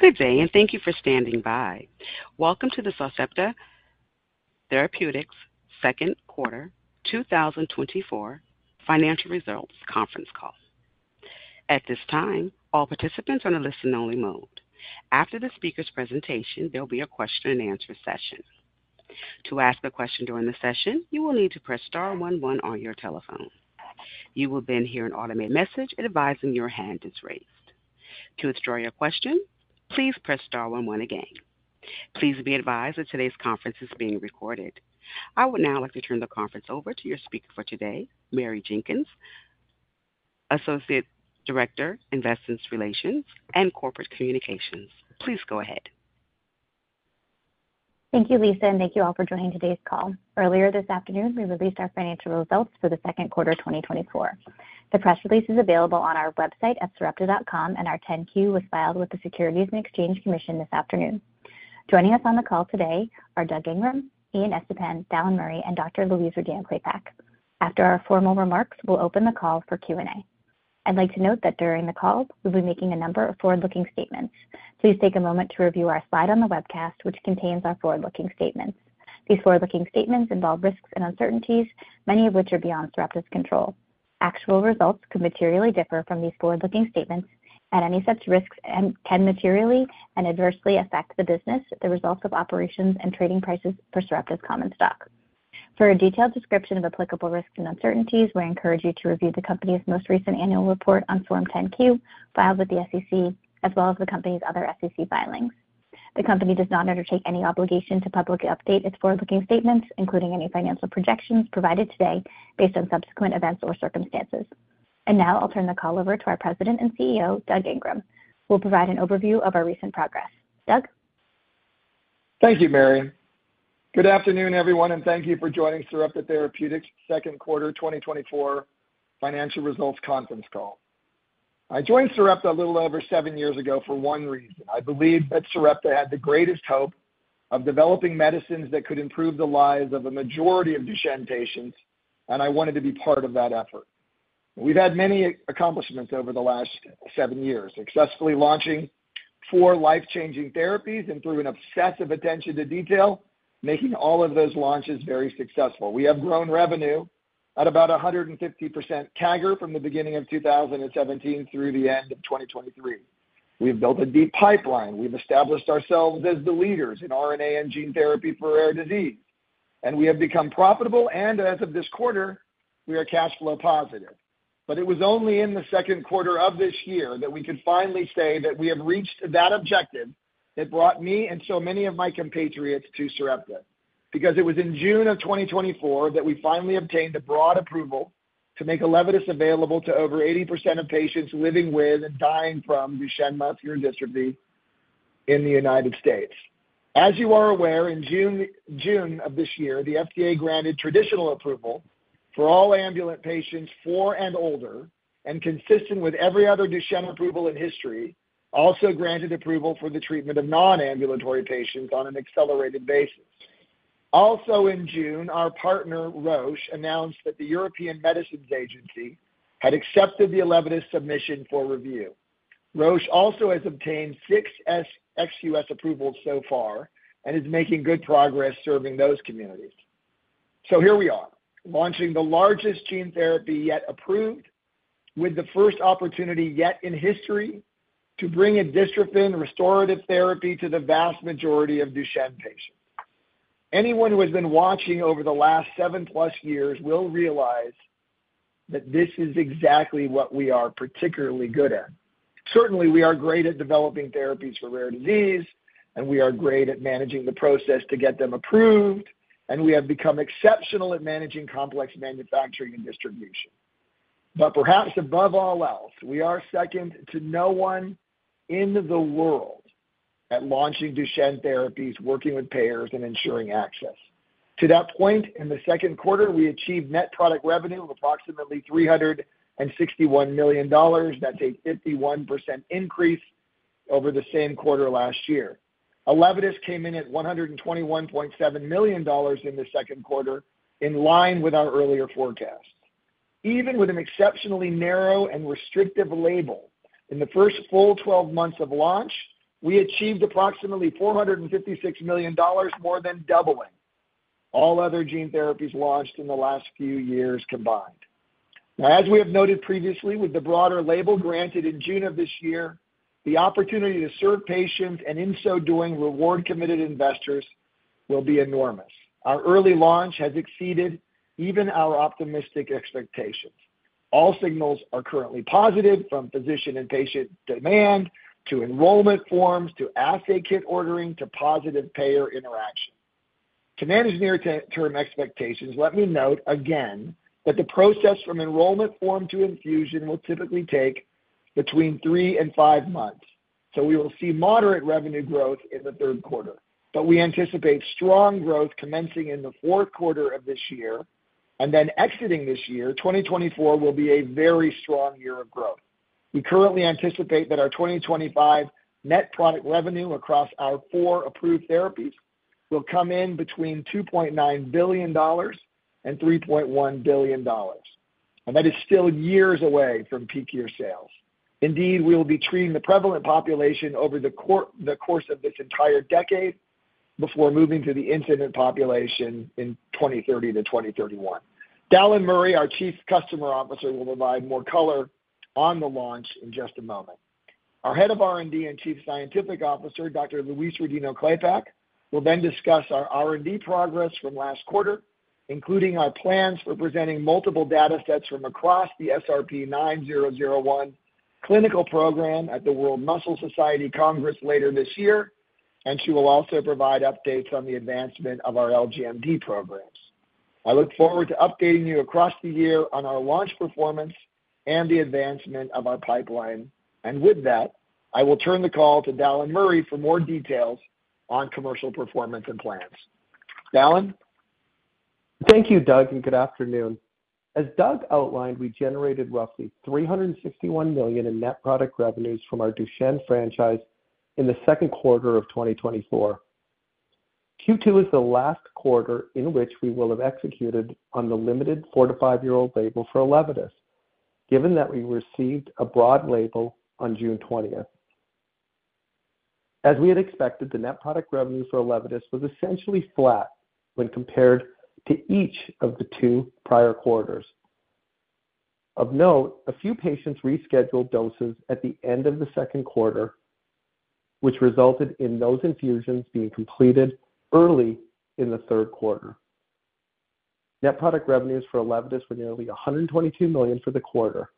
Good day, and thank you for standing by. Welcome to the Sarepta Therapeutics second quarter 2024 financial results conference call. At this time, all participants are in a listen-only mode. After the speaker's presentation, there'll be a question-and-answer session. To ask a question during the session, you will need to press star one one on your telephone. You will then hear an automated message advising your hand is raised. To withdraw your question, please press star one one again. Please be advised that today's conference is being recorded. I would now like to turn the conference over to your speaker for today, Mary Jenkins, Associate Director, Investor Relations and Corporate Communications. Please go ahead. Thank you, Lisa, and thank you all for joining today's call. Earlier this afternoon, we released our financial results for the second quarter 2024. The press release is available on our website at sarepta.com, and our 10-Q was filed with the Securities and Exchange Commission this afternoon. Joining us on the call today are Doug Ingram, Ian Estepan, Dallan Murray, and Dr. Louise Rodino-Klapac. After our formal remarks, we'll open the call for Q&A. I'd like to note that during the call, we'll be making a number of forward-looking statements. Please take a moment to review our slide on the webcast, which contains our forward-looking statements. These forward-looking statements involve risks and uncertainties, many of which are beyond Sarepta's control. Actual results could materially differ from these forward-looking statements, and any such risks can materially and adversely affect the business, the results of operations, and trading prices for Sarepta's common stock. For a detailed description of applicable risks and uncertainties, we encourage you to review the company's most recent annual report on Form 10-Q filed with the SEC, as well as the company's other SEC filings. The company does not undertake any obligation to publicly update its forward-looking statements, including any financial projections provided today based on subsequent events or circumstances. And now I'll turn the call over to our President and CEO, Doug Ingram. We'll provide an overview of our recent progress. Doug. Thank you, Mary. Good afternoon, everyone, and thank you for joining Sarepta Therapeutics' second quarter 2024 financial results conference call. I joined Sarepta a little over seven years ago for one reason. I believed that Sarepta had the greatest hope of developing medicines that could improve the lives of a majority of Duchenne patients, and I wanted to be part of that effort. We've had many accomplishments over the last seven years, successfully launching four life-changing therapies and, through an obsessive attention to detail, making all of those launches very successful. We have grown revenue at about 150% CAGR from the beginning of 2017 through the end of 2023. We have built a deep pipeline. We've established ourselves as the leaders in RNA and gene therapy for rare disease, and we have become profitable. As of this quarter, we are cash flow positive. But it was only in the second quarter of this year that we could finally say that we have reached that objective that brought me and so many of my compatriots to Sarepta, because it was in June of 2024 that we finally obtained a broad approval to make ELEVIDYS available to over 80% of patients living with and dying from Duchenne muscular dystrophy in the United States. As you are aware, in June of this year, the FDA granted traditional approval for all ambulatory patients four and older and consistent with every other Duchenne approval in history, also granted approval for the treatment of non-ambulatory patients on an accelerated basis. Also, in June, our partner Roche announced that the European Medicines Agency had accepted the ELEVIDYS submission for review. Roche also has obtained six ex-US approvals so far and is making good progress serving those communities. So here we are, launching the largest gene therapy yet approved, with the first opportunity yet in history to bring a dystrophin restorative therapy to the vast majority of Duchenne patients. Anyone who has been watching over the last seven plus years will realize that this is exactly what we are particularly good at. Certainly, we are great at developing therapies for rare disease, and we are great at managing the process to get them approved, and we have become exceptional at managing complex manufacturing and distribution. But perhaps above all else, we are second to no one in the world at launching Duchenne therapies, working with payers, and ensuring access. To that point, in the second quarter, we achieved net product revenue of approximately $361 million. That's a 51% increase over the same quarter last year. ELEVIDYS came in at $121.7 million in the second quarter, in line with our earlier forecasts. Even with an exceptionally narrow and restrictive label in the first full 12 months of launch, we achieved approximately $456 million, more than doubling all other gene therapies launched in the last few years combined. Now, as we have noted previously, with the broader label granted in June of this year, the opportunity to serve patients and, in so doing, reward committed investors will be enormous. Our early launch has exceeded even our optimistic expectations. All signals are currently positive, from physician and patient demand to enrollment forms to assay kit ordering to positive payer interaction. To manage near-term expectations, let me note again that the process from enrollment form to infusion will typically take between three and five months. So we will see moderate revenue growth in the third quarter, but we anticipate strong growth commencing in the fourth quarter of this year and then exiting this year. 2024 will be a very strong year of growth. We currently anticipate that our 2025 net product revenue across our four approved therapies will come in between $2.9 billion and $3.1 billion, and that is still years away from peak year sales. Indeed, we will be treating the prevalent population over the course of this entire decade before moving to the incident population in 2030 to 2031. Dallan Murray, our Chief Customer Officer, will provide more color on the launch in just a moment. Our Head of R&D and Chief Scientific Officer, Dr. Louise Rodino-Klapac will then discuss our R&D progress from last quarter, including our plans for presenting multiple data sets from across the SRP-9001 clinical program at the World Muscle Society Congress later this year. She will also provide updates on the advancement of our LGMD programs. I look forward to updating you across the year on our launch performance and the advancement of our pipeline. With that, I will turn the call to Dallan Murray for more details on commercial performance and plans. Dallan. Thank you, Doug, and good afternoon. As Doug outlined, we generated roughly $361 million in net product revenues from our Duchenne franchise in the second quarter of 2024. Q2 is the last quarter in which we will have executed on the limited four-to-five-year-old label for ELEVIDYS, given that we received a broad label on June 20th. As we had expected, the net product revenue for ELEVIDYS was essentially flat when compared to each of the two prior quarters. Of note, a few patients rescheduled doses at the end of the second quarter, which resulted in those infusions being completed early in the third quarter. Net product revenues for ELEVIDYS were nearly $122 million for the quarter.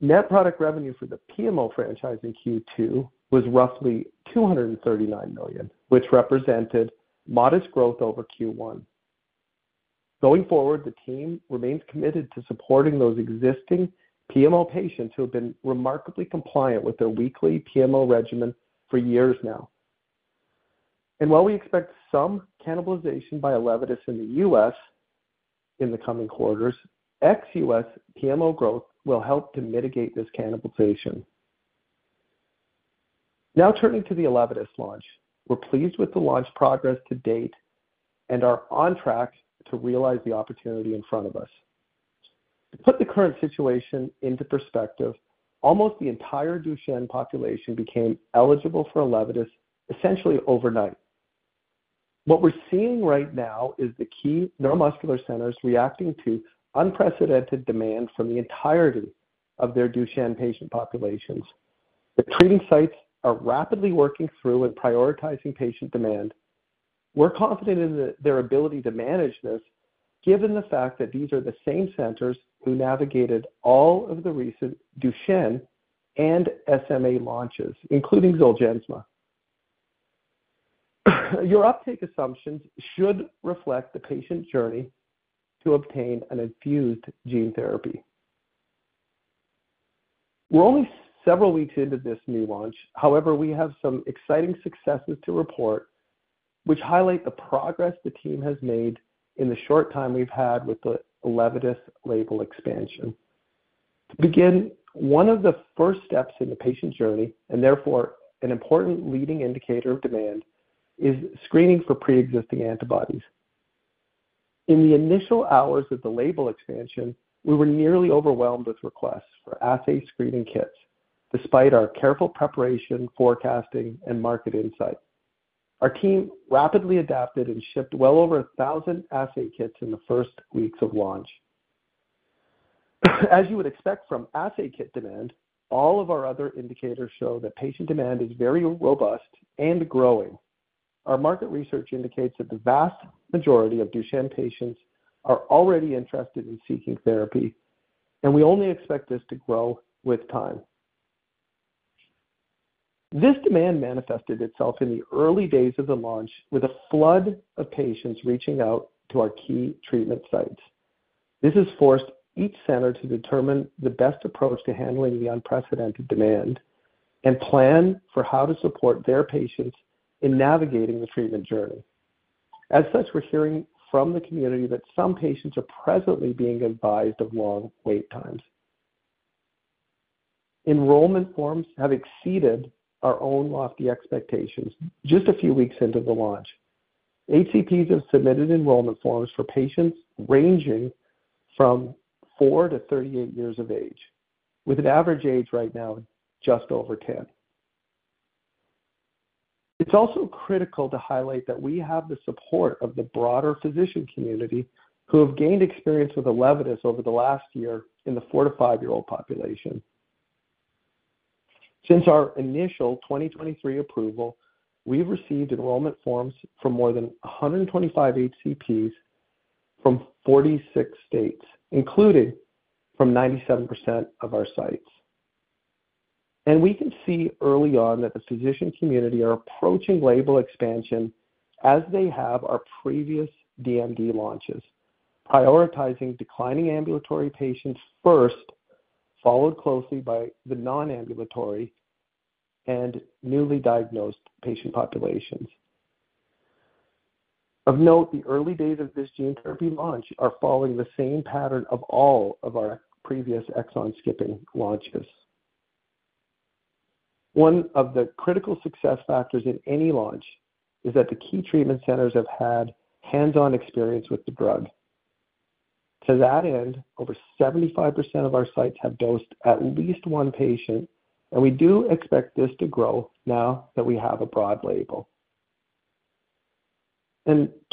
Net product revenue for the PMO franchise in Q2 was roughly $239 million, which represented modest growth over Q1. Going forward, the team remains committed to supporting those existing PMO patients who have been remarkably compliant with their weekly PMO regimen for years now. While we expect some cannibalization by ELEVIDYS in the U.S. in the coming quarters, ex-U.S. PMO growth will help to mitigate this cannibalization. Now turning to the ELEVIDYS launch, we're pleased with the launch progress to date and are on track to realize the opportunity in front of us. To put the current situation into perspective, almost the entire Duchenne population became eligible for ELEVIDYS essentially overnight. What we're seeing right now is the key neuromuscular centers reacting to unprecedented demand from the entirety of their Duchenne patient populations. The treating sites are rapidly working through and prioritizing patient demand. We're confident in their ability to manage this, given the fact that these are the same centers who navigated all of the recent Duchenne and SMA launches, including Zolgensma. Your uptake assumptions should reflect the patient journey to obtain an infused gene therapy. We're only several weeks into this new launch. However, we have some exciting successes to report, which highlight the progress the team has made in the short time we've had with the ELEVIDYS label expansion. To begin, one of the first steps in the patient journey, and therefore an important leading indicator of demand, is screening for pre-existing antibodies. In the initial hours of the label expansion, we were nearly overwhelmed with requests for assay screening kits, despite our careful preparation, forecasting, and market insight. Our team rapidly adapted and shipped well over 1,000 assay kits in the first weeks of launch. As you would expect from assay kit demand, all of our other indicators show that patient demand is very robust and growing. Our market research indicates that the vast majority of Duchenne patients are already interested in seeking therapy, and we only expect this to grow with time. This demand manifested itself in the early days of the launch with a flood of patients reaching out to our key treatment sites. This has forced each center to determine the best approach to handling the unprecedented demand and plan for how to support their patients in navigating the treatment journey. As such, we're hearing from the community that some patients are presently being advised of long wait times. Enrollment forms have exceeded our own lofty expectations just a few weeks into the launch. HCPs have submitted enrollment forms for patients ranging from four to 38 years of age, with an average age right now just over 10. It's also critical to highlight that we have the support of the broader physician community who have gained experience with ELEVIDYS over the last year in the four to five year-old population. Since our initial 2023 approval, we've received enrollment forms from more than 125 HCPs from 46 states, including from 97% of our sites. We can see early on that the physician community are approaching label expansion as they have our previous DMD launches, prioritizing declining ambulatory patients first, followed closely by the non-ambulatory and newly diagnosed patient populations. Of note, the early days of this gene therapy launch are following the same pattern of all of our previous exon skipping launches. One of the critical success factors in any launch is that the key treatment centers have had hands-on experience with the drug. To that end, over 75% of our sites have dosed at least one patient, and we do expect this to grow now that we have a broad label.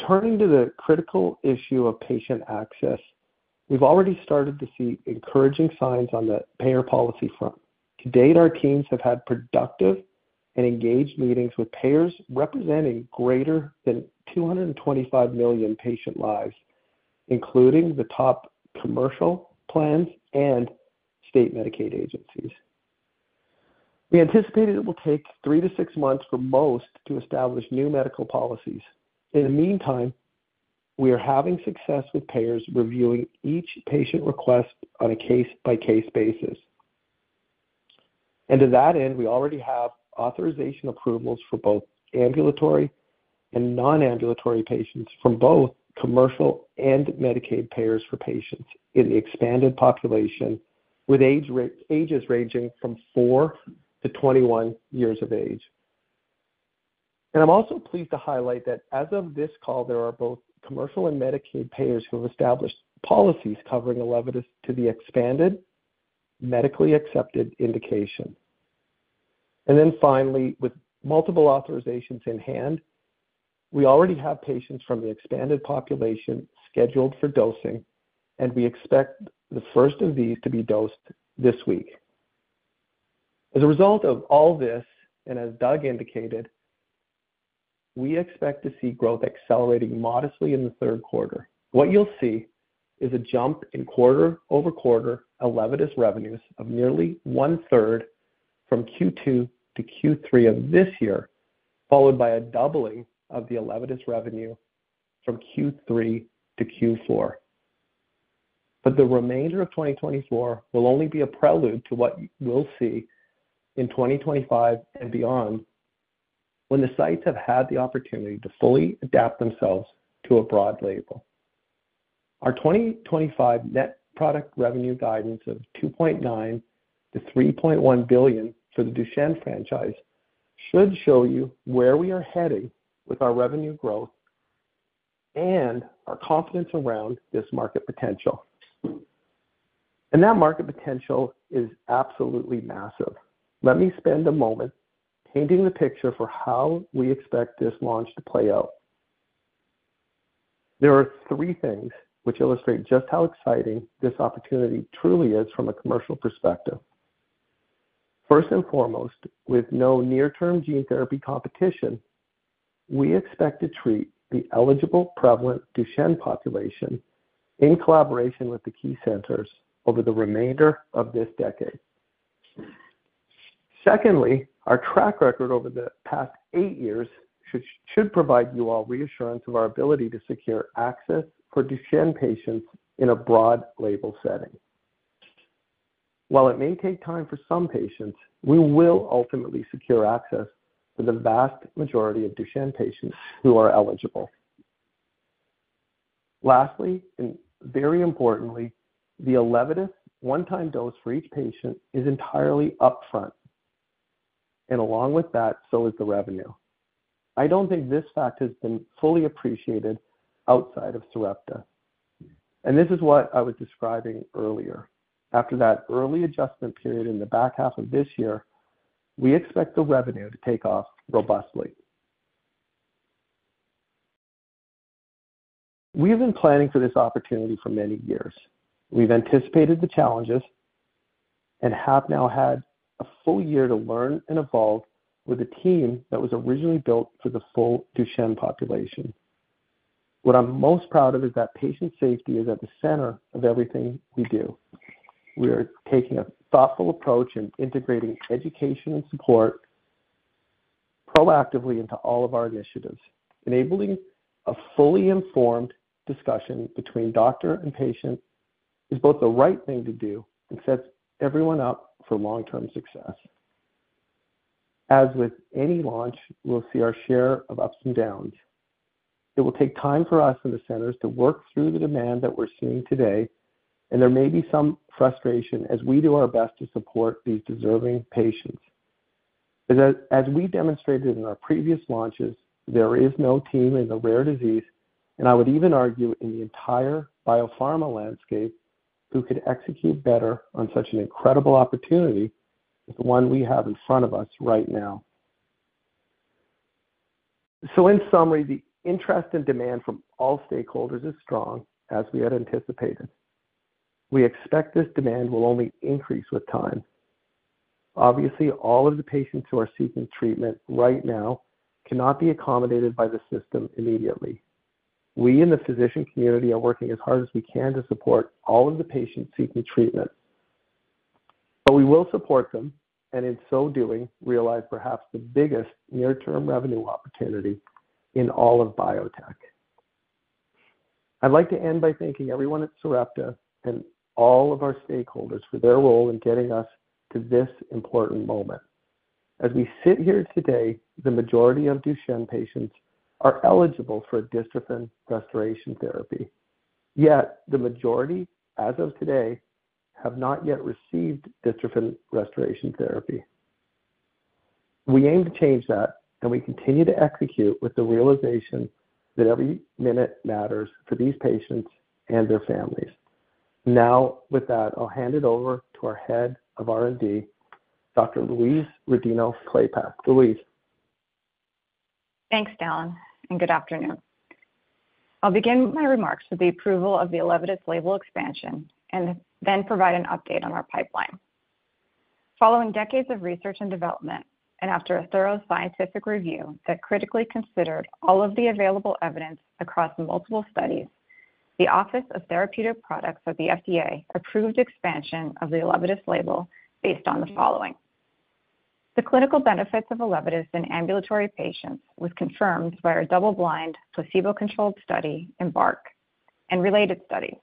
Turning to the critical issue of patient access, we've already started to see encouraging signs on the payer policy front. To date, our teams have had productive and engaged meetings with payers representing greater than 225 million patient lives, including the top commercial plans and state Medicaid agencies. We anticipate it will take three to six months for most to establish new medical policies. In the meantime, we are having success with payers reviewing each patient request on a case-by-case basis. To that end, we already have authorization approvals for both ambulatory and non-ambulatory patients from both commercial and Medicaid payers for patients in the expanded population with ages ranging from four to 21 years of age. I'm also pleased to highlight that as of this call, there are both commercial and Medicaid payers who have established policies covering ELEVIDYS to the expanded medically accepted indication. Then finally, with multiple authorizations in hand, we already have patients from the expanded population scheduled for dosing, and we expect the first of these to be dosed this week. As a result of all this, and as Doug indicated, we expect to see growth accelerating modestly in the third quarter. What you'll see is a jump in quarter-over-quarter ELEVIDYS revenues of nearly 1/3 from Q2 to Q3 of this year, followed by a doubling of the ELEVIDYS revenue from Q3 to Q4. The remainder of 2024 will only be a prelude to what we'll see in 2025 and beyond when the sites have had the opportunity to fully adapt themselves to a broad label. Our 2025 net product revenue guidance of $2.9 billion-$3.1 billion for the Duchenne franchise should show you where we are heading with our revenue growth and our confidence around this market potential. That market potential is absolutely massive. Let me spend a moment painting the picture for how we expect this launch to play out. There are three things which illustrate just how exciting this opportunity truly is from a commercial perspective. First and foremost, with no near-term gene therapy competition, we expect to treat the eligible prevalent Duchenne population in collaboration with the key centers over the remainder of this decade. Secondly, our track record over the past eight years should provide you all reassurance of our ability to secure access for Duchenne patients in a broad label setting. While it may take time for some patients, we will ultimately secure access for the vast majority of Duchenne patients who are eligible. Lastly, and very importantly, the ELEVIDYS one-time dose for each patient is entirely upfront, and along with that, so is the revenue. I don't think this fact has been fully appreciated outside of Sarepta. And this is what I was describing earlier. After that early adjustment period in the back half of this year, we expect the revenue to take off robustly. We have been planning for this opportunity for many years. We've anticipated the challenges and have now had a full year to learn and evolve with a team that was originally built for the full Duchenne population. What I'm most proud of is that patient safety is at the center of everything we do. We are taking a thoughtful approach and integrating education and support proactively into all of our initiatives. Enabling a fully informed discussion between doctor and patient is both the right thing to do and sets everyone up for long-term success. As with any launch, we'll see our share of ups and downs. It will take time for us in the centers to work through the demand that we're seeing today, and there may be some frustration as we do our best to support these deserving patients. As we demonstrated in our previous launches, there is no team in the rare disease, and I would even argue in the entire biopharma landscape who could execute better on such an incredible opportunity as the one we have in front of us right now. In summary, the interest and demand from all stakeholders is strong, as we had anticipated. We expect this demand will only increase with time. Obviously, all of the patients who are seeking treatment right now cannot be accommodated by the system immediately. We in the physician community are working as hard as we can to support all of the patients seeking treatment. We will support them and in so doing realize perhaps the biggest near-term revenue opportunity in all of biotech. I'd like to end by thanking everyone at Sarepta and all of our stakeholders for their role in getting us to this important moment. As we sit here today, the majority of Duchenne patients are eligible for a Dystrophin Restoration Therapy. Yet the majority, as of today, have not yet received Dystrophin Restoration Therapy. We aim to change that, and we continue to execute with the realization that every minute matters for these patients and their families. Now with that, I'll hand it over to our Head of R&D, Dr. Louise Rodino-Klapac. Louise. Thanks, Dallan, and good afternoon. I'll begin my remarks with the approval of the ELEVIDYS label expansion and then provide an update on our pipeline. Following decades of research and development and after a thorough scientific review that critically considered all of the available evidence across multiple studies, the Office of Therapeutic Products of the FDA approved expansion of the ELEVIDYS label based on the following. The clinical benefits of ELEVIDYS in ambulatory patients were confirmed by our double-blind, placebo-controlled Study, EMBARC, and related studies.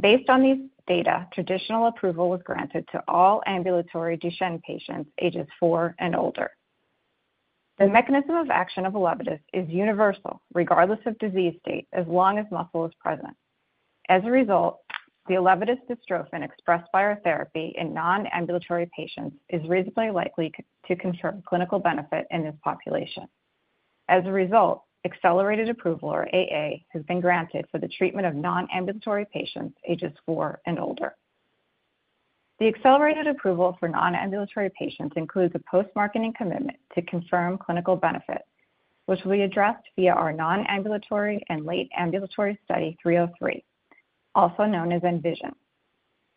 Based on these data, traditional approval was granted to all ambulatory Duchenne patients ages four and older. The mechanism of action of ELEVIDYS is universal, regardless of disease state, as long as muscle is present. As a result, the ELEVIDYS dystrophin expressed by our therapy in non-ambulatory patients is reasonably likely to confirm clinical benefit in this population. As a result, accelerated approval, or AA, has been granted for the treatment of non-ambulatory patients ages four and older. The accelerated approval for non-ambulatory patients includes a post-marketing commitment to confirm clinical benefit, which we addressed via our non-ambulatory and late ambulatory Study 303, also known as ENVISION.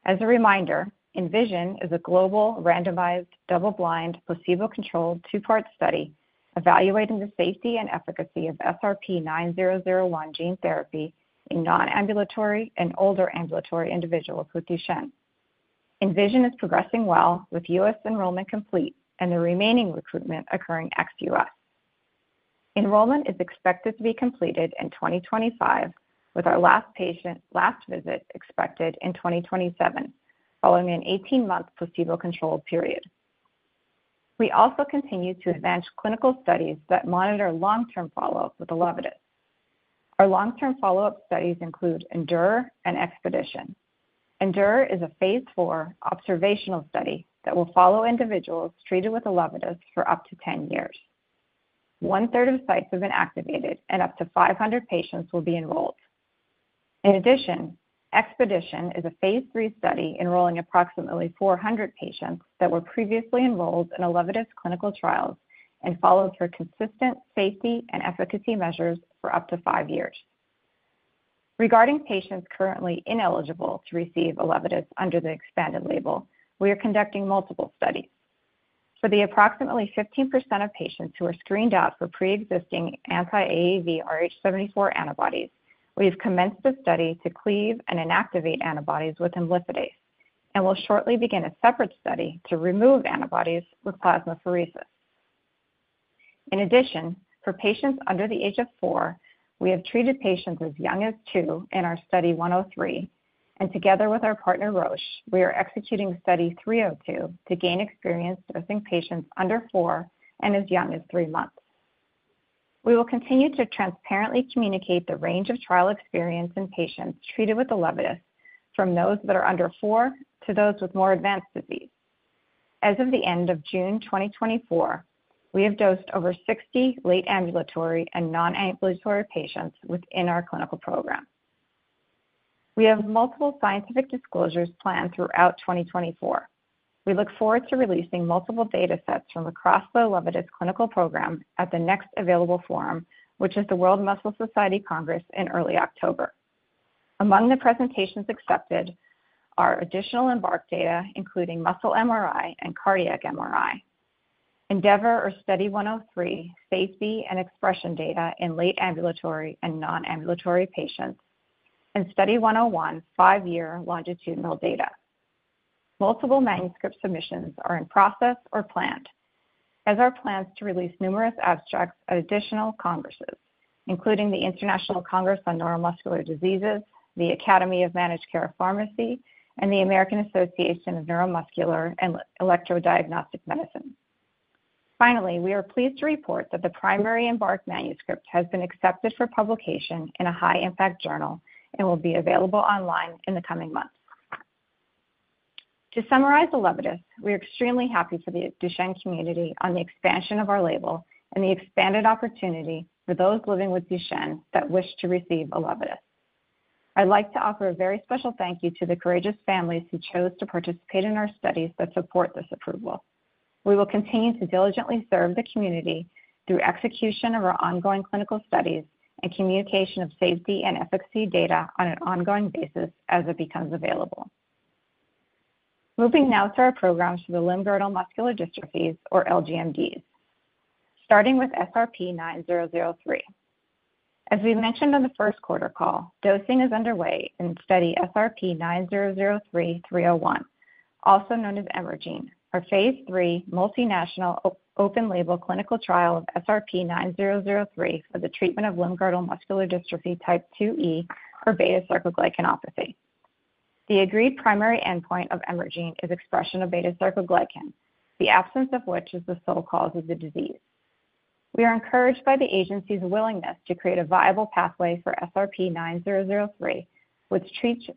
As a reminder, ENVISION is a global randomized double-blind, placebo-controlled two-part Study evaluating the safety and efficacy of SRP-9001 Gene Therapy in non-ambulatory and older ambulatory individuals with Duchenne. ENVISION is progressing well with U.S. enrollment complete and the remaining recruitment occurring ex U.S. Enrollment is expected to be completed in 2025, with our last patient last visit expected in 2027, following an 18-month placebo-controlled period. We also continue to advance clinical studies that monitor long-term follow-up with ELEVIDYS. Our long-term follow-up studies include ENDURA and EXPEDITION. ENDURA is a phase IV observational Study that will follow individuals treated with ELEVIDYS for up to 10 years. One-third of sites have been activated, and up to 500 patients will be enrolled. In addition, EXPEDITION is a phase III Study enrolling approximately 400 patients that were previously enrolled in ELEVIDYS clinical trials and follows for consistent safety and efficacy measures for up to five years. Regarding patients currently ineligible to receive ELEVIDYS under the expanded label, we are conducting multiple studies. For the approximately 15% of patients who are screened out for pre-existing anti-AAVrh74 antibodies, we have commenced a Study to cleave and inactivate antibodies with Imlifidase and will shortly begin a separate Study to remove antibodies with plasmapheresis. In addition, for patients under the age of four, we have treated patients as young as two in our Study 103, and together with our partner, Roche, we are executing Study 302 to gain experience dosing patients under four and as young as three months. We will continue to transparently communicate the range of trial experience in patients treated with ELEVIDYS from those that are under four to those with more advanced disease. As of the end of June 2024, we have dosed over 60 late ambulatory and non-ambulatory patients within our clinical program. We have multiple scientific disclosures planned throughout 2024. We look forward to releasing multiple data sets from across the ELEVIDYS clinical program at the next available forum, which is the World Muscle Society Congress in early October. Among the presentations accepted are additional EMBARC data, including muscle MRI and cardiac MRI, ENDEAVOR or Study 103, safety and expression data in late ambulatory and non-ambulatory patients, and Study 101, five-year longitudinal data. Multiple manuscript submissions are in process or planned, as are plans to release numerous abstracts at additional congresses, including the International Congress on Neuromuscular Diseases, the Academy of Managed Care Pharmacy, and the American Association of Neuromuscular and Electrodiagnostic Medicine. Finally, we are pleased to report that the primary EMBARC manuscript has been accepted for publication in a high-impact journal and will be available online in the coming months. To summarize ELEVIDYS, we are extremely happy for the Duchenne community on the expansion of our label and the expanded opportunity for those living with Duchenne that wish to receive ELEVIDYS. I'd like to offer a very special thank you to the courageous families who chose to participate in our studies that support this approval. We will continue to diligently serve the community through execution of our ongoing clinical studies and communication of safety and efficacy data on an ongoing basis as it becomes available. Moving now to our programs for the limb-girdle muscular dystrophies, or LGMDs, starting with SRP-9003. As we mentioned on the first quarter call, dosing is underway in Study SRP-9003-301, also known as EMERGENE, a phase III multinational open label clinical trial of SRP-9003 for the treatment of limb-girdle muscular dystrophy type 2E or beta-sarcoglycanopathy. The agreed primary endpoint of EMERGENE is expression of beta-sarcoglycan, the absence of which is the sole cause of the disease. We are encouraged by the agency's willingness to create a viable pathway for SRP-9003, which treats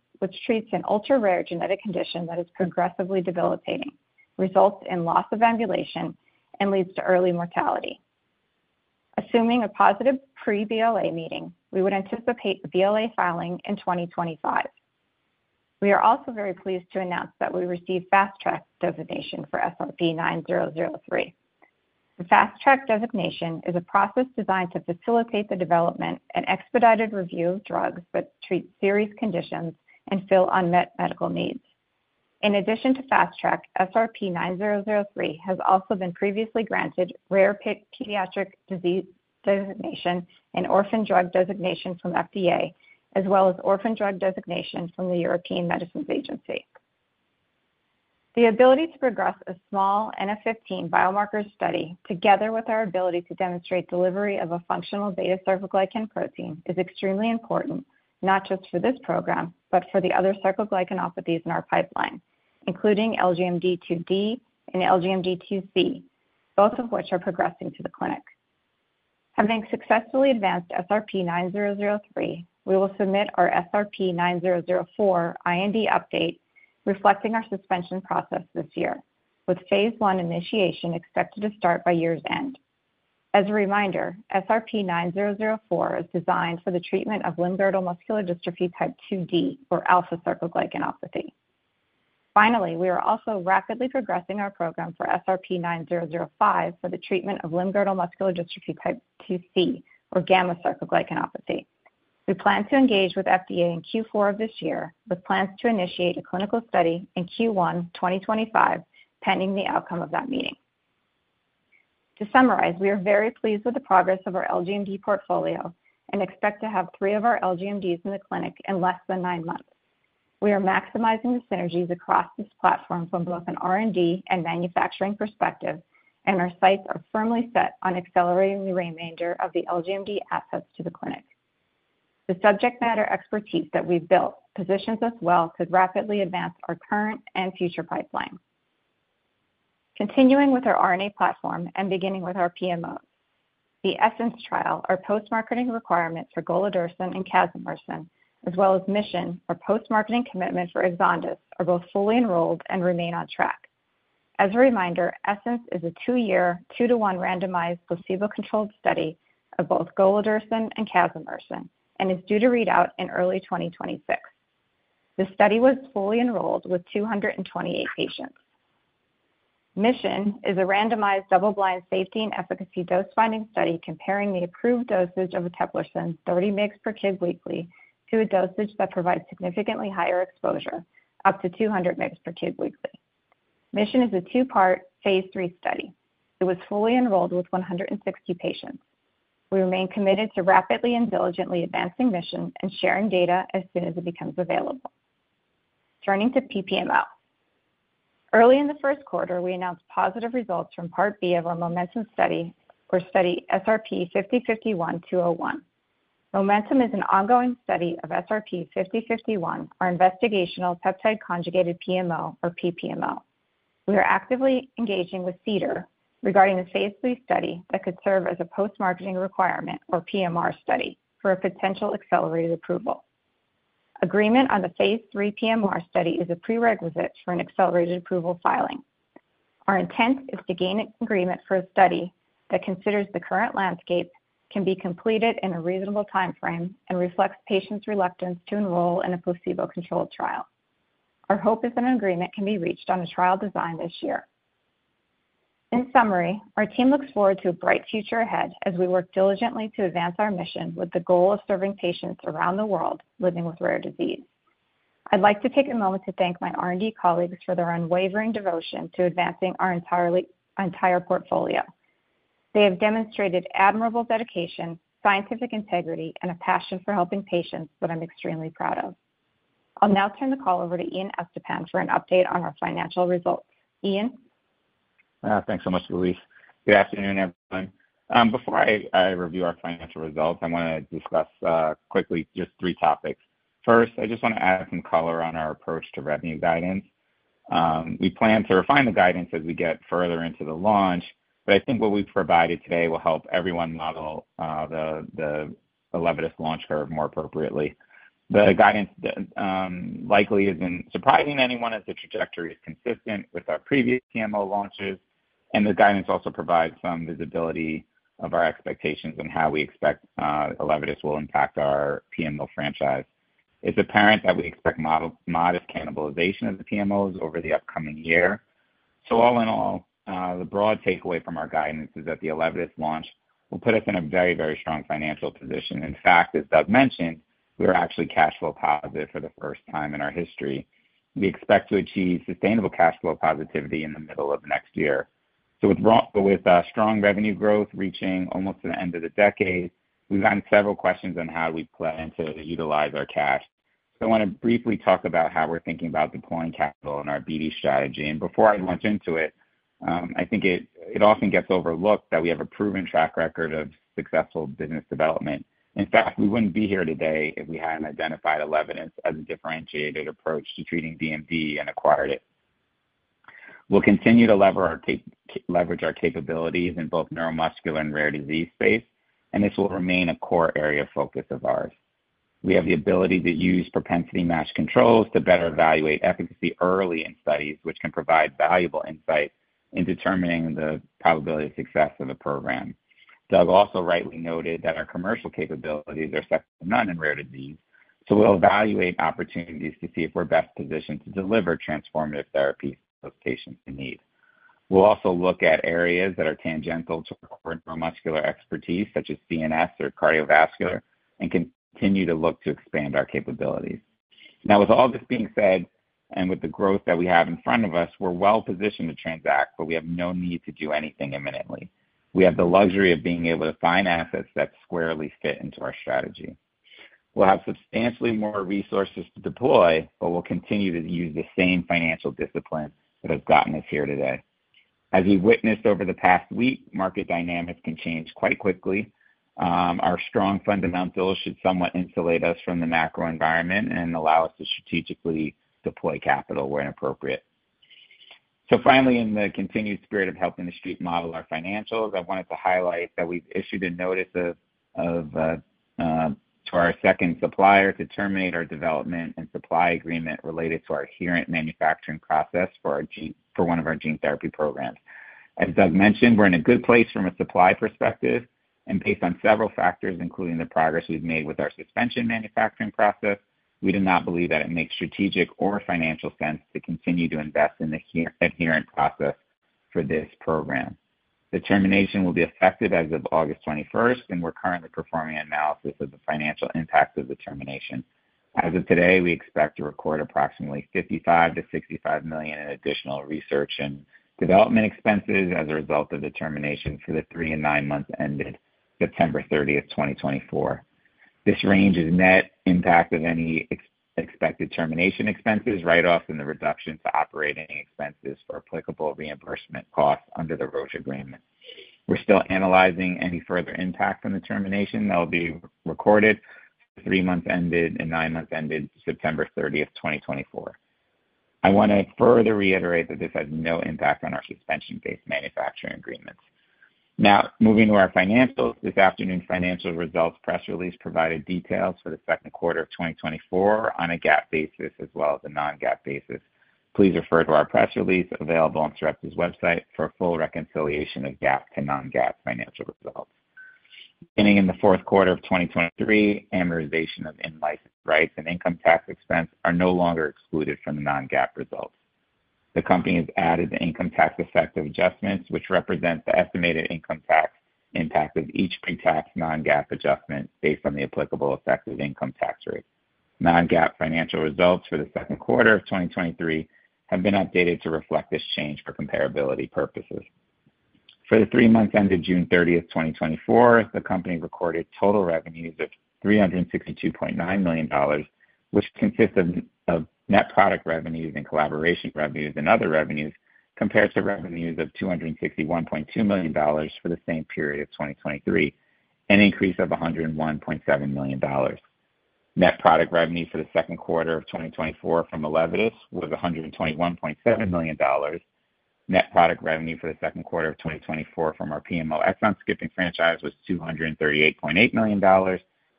an ultra-rare genetic condition that is progressively debilitating, results in loss of ambulation, and leads to early mortality. Assuming a positive pre-BLA meeting, we would anticipate BLA filing in 2025. We are also very pleased to announce that we received Fast Track designation for SRP-9003. The Fast Track designation is a process designed to facilitate the development and expedited review of drugs that treat serious conditions and fill unmet medical needs. In addition to Fast Track, SRP-9003 has also been previously granted Rare Pediatric Disease designation and Orphan Drug designation from FDA, as well as Orphan Drug designation from the European Medicines Agency. The ability to progress a small NF15 biomarker Study together with our ability to demonstrate delivery of a functional beta-sarcoglycan protein is extremely important, not just for this program, but for the other sarcoglycanopathies in our pipeline, including LGMD2D and LGMD2C, both of which are progressing to the clinic. Having successfully advanced SRP-9003, we will submit our SRP-9004 IND update reflecting our suspension process this year, with phase I initiation expected to start by year's end. As a reminder, SRP-9004 is designed for the treatment of limb-girdle muscular dystrophy type 2D, or alpha-sarcoglycanopathy. Finally, we are also rapidly progressing our program for SRP-9005 for the treatment of limb-girdle muscular dystrophy type 2C, or gamma-sarcoglycanopathy. We plan to engage with FDA in Q4 of this year, with plans to initiate a clinical Study in Q1 2025, pending the outcome of that meeting. To summarize, we are very pleased with the progress of our LGMD portfolio and expect to have three of our LGMDs in the clinic in less than nine months. We are maximizing the synergies across this platform from both an R&D and manufacturing perspective, and our sights are firmly set on accelerating the remainder of the LGMD assets to the clinic. The subject matter expertise that we've built positions us well to rapidly advance our current and future pipeline. Continuing with our RNA platform and beginning with our PMOs, the ESSENCE trial, our post-marketing requirement for golodirsen and casimersen, as well as MISSION, our post-marketing commitment for EXONDYS, are both fully enrolled and remain on track. As a reminder, ESSENCE is a two year, two to one randomized placebo-controlled Study of both golodirsen and casimersen and is due to read out in early 2026. The Study was fully enrolled with 228 patients. MISSION is a randomized double-blind safety and efficacy dose-finding Study comparing the approved dosage of eteplirsen 30 mg per kg weekly to a dosage that provides significantly higher exposure, up to 200 mg per kg weekly. MISSION is a two-part, phase III Study. It was fully enrolled with 160 patients. We remain committed to rapidly and diligently advancing MISSION and sharing data as soon as it becomes available. Turning to PPMO, early in the first quarter, we announced positive results from part B of our MOMENTUM Study, or Study SRP-5051-201. MOMENTUM is an ongoing Study of SRP-5051, our investigational peptide-conjugated PMO, or PPMO. We are actively engaging with CDER regarding the phase III Study that could serve as a post-marketing requirement, or PMR Study, for a potential accelerated approval. Agreement on the phase III PMR Study is a prerequisite for an accelerated approval filing. Our intent is to gain agreement for a Study that considers the current landscape, can be completed in a reasonable timeframe, and reflects patients' reluctance to enroll in a placebo-controlled trial. Our hope is that an agreement can be reached on a trial design this year. In summary, our team looks forward to a bright future ahead as we work diligently to advance our mission with the goal of serving patients around the world living with rare disease. I'd like to take a moment to thank my R&D colleagues for their unwavering devotion to advancing our entire portfolio. They have demonstrated admirable dedication, scientific integrity, and a passion for helping patients that I'm extremely proud of. I'll now turn the call over to Ian Estepan for an update on our financial results. Ian. Thanks so much, Louise. Good afternoon, everyone. Before I review our financial results, I want to discuss quickly just three topics. First, I just want to add some color on our approach to revenue guidance. We plan to refine the guidance as we get further into the launch, but I think what we've provided today will help everyone model the ELEVIDYS launch curve more appropriately. The guidance likely isn't surprising to anyone as the trajectory is consistent with our previous PMO launches, and the guidance also provides some visibility of our expectations and how we expect ELEVIDYS will impact our PMO franchise. It's apparent that we expect modest cannibalization of the PMOs over the upcoming year. So all in all, the broad takeaway from our guidance is that the ELEVIDYS launch will put us in a very, very strong financial position. In fact, as Doug mentioned, we are actually cash flow positive for the first time in our history. We expect to achieve sustainable cash flow positivity in the middle of next year. So with strong revenue growth reaching almost to the end of the decade, we've had several questions on how do we plan to utilize our cash. So I want to briefly talk about how we're thinking about deploying capital in our BD strategy. And before I launch into it, I think it often gets overlooked that we have a proven track record of successful business development. In fact, we wouldn't be here today if we hadn't identified a lead asset as a differentiated approach to treating DMD and acquired it. We'll continue to leverage our capabilities in both neuromuscular and rare disease space, and this will remain a core area of focus of ours. We have the ability to use propensity match controls to better evaluate efficacy early in studies, which can provide valuable insight in determining the probability of success of the program. Doug also rightly noted that our commercial capabilities are second to none in rare disease, so we'll evaluate opportunities to see if we're best positioned to deliver transformative therapies to those patients in need. We'll also look at areas that are tangential to our neuromuscular expertise, such as CNS or cardiovascular, and continue to look to expand our capabilities. Now, with all this being said and with the growth that we have in front of us, we're well positioned to transact, but we have no need to do anything imminently. We have the luxury of being able to find assets that squarely fit into our strategy. We'll have substantially more resources to deploy, but we'll continue to use the same financial discipline that has gotten us here today. As we witnessed over the past week, market dynamics can change quite quickly. Our strong fundamentals should somewhat insulate us from the macro environment and allow us to strategically deploy capital where appropriate. So finally, in the continued spirit of helping to Street model our financials, I wanted to highlight that we've issued a notice to our second supplier to terminate our development and supply agreement related to our adherent manufacturing process for one of our gene therapy programs. As Doug mentioned, we're in a good place from a supply perspective, and based on several factors, including the progress we've made with our suspension manufacturing process, we do not believe that it makes strategic or financial sense to continue to invest in the adherent process for this program. The termination will be effective as of August 21st, and we're currently performing analysis of the financial impact of the termination. As of today, we expect to record approximately $55 million-$65 million in additional research and development expenses as a result of the termination for the three and nine months ended September 30th, 2024. This range is net impact of any expected termination expenses write-off in the reduction to operating expenses for applicable reimbursement costs under the Roche agreement. We're still analyzing any further impact from the termination that will be recorded three months ended and nine months ended September 30th, 2024. I want to further reiterate that this has no impact on our suspension-based manufacturing agreements. Now, moving to our financials, this afternoon's financial results press release provided details for the second quarter of 2024 on a GAAP basis as well as a non-GAAP basis. Please refer to our press release available on Sarepta's website for a full reconciliation of GAAP to non-GAAP financial results. Beginning in the fourth quarter of 2023, amortization of in-licensed rights and income tax expense are no longer excluded from the non-GAAP results. The company has added the income tax effective adjustments, which represent the estimated income tax impact of each pre-tax non-GAAP adjustment based on the applicable effective income tax rate. Non-GAAP financial results for the second quarter of 2023 have been updated to reflect this change for comparability purposes. For the three months ended June 30th, 2024, the company recorded total revenues of $362.9 million, which consists of net product revenues and collaboration revenues and other revenues compared to revenues of $261.2 million for the same period of 2023, an increase of $101.7 million. Net product revenue for the second quarter of 2024 from ELEVIDYS was $121.7 million. Net product revenue for the second quarter of 2024 from our PMO Exon skipping franchise was $238.8 million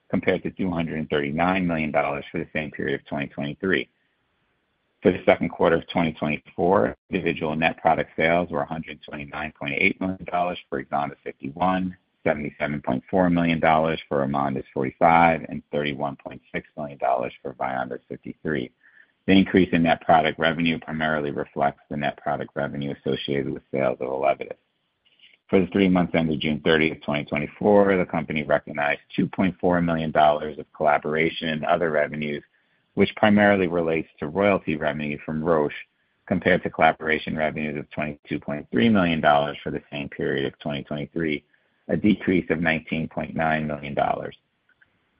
compared to $239 million for the same period of 2023. For the second quarter of 2024, individual net product sales were $129.8 million for EXONDYS 51, $77.4 million for AMONDYS 45, and $31.6 million for VYONDYS 53. The increase in net product revenue primarily reflects the net product revenue associated with sales of ELEVIDYS. For the three months ended June 30th, 2024, the company recognized $2.4 million of collaboration and other revenues, which primarily relates to royalty revenue from Roche compared to collaboration revenues of $22.3 million for the same period of 2023, a decrease of $19.9 million.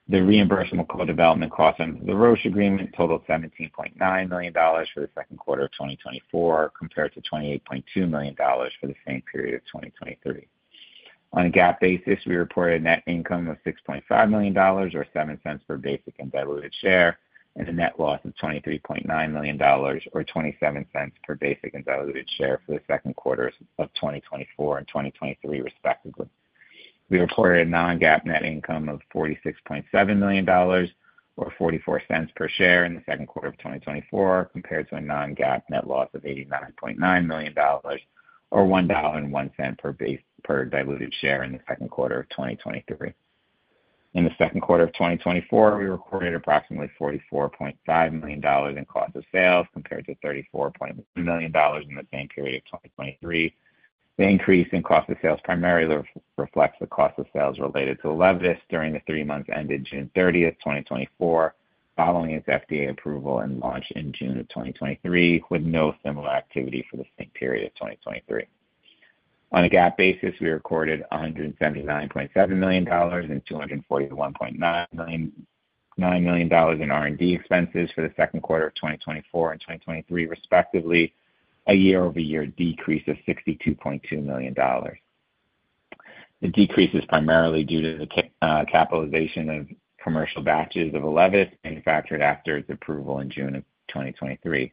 The reimbursable co-development cost under the Roche agreement totaled $17.9 million for the second quarter of 2024 compared to $28.2 million for the same period of 2023. On a GAAP basis, we reported a net income of $6.5 million, or $0.07 per basic and diluted share, and a net loss of $23.9 million, or $0.27 per basic and diluted share for the second quarter of 2024 and 2023, respectively. We reported a non-GAAP net income of $46.7 million, or $0.44 per share in the second quarter of 2024, compared to a non-GAAP net loss of $89.9 million, or $1.01 per diluted share in the second quarter of 2023. In the second quarter of 2024, we recorded approximately $44.5 million in cost of sales compared to $34.1 million in the same period of 2023. The increase in cost of sales primarily reflects the cost of sales related to ELEVIDYS during the three months ended June 30th, 2024, following its FDA approval and launch in June of 2023, with no similar activity for the same period of 2023. On a GAAP basis, we recorded $179.7 million and $241.9 million in R&D expenses for the second quarter of 2024 and 2023, respectively, a year-over-year decrease of $62.2 million. The decrease is primarily due to the capitalization of commercial batches of ELEVIDYS manufactured after its approval in June of 2023.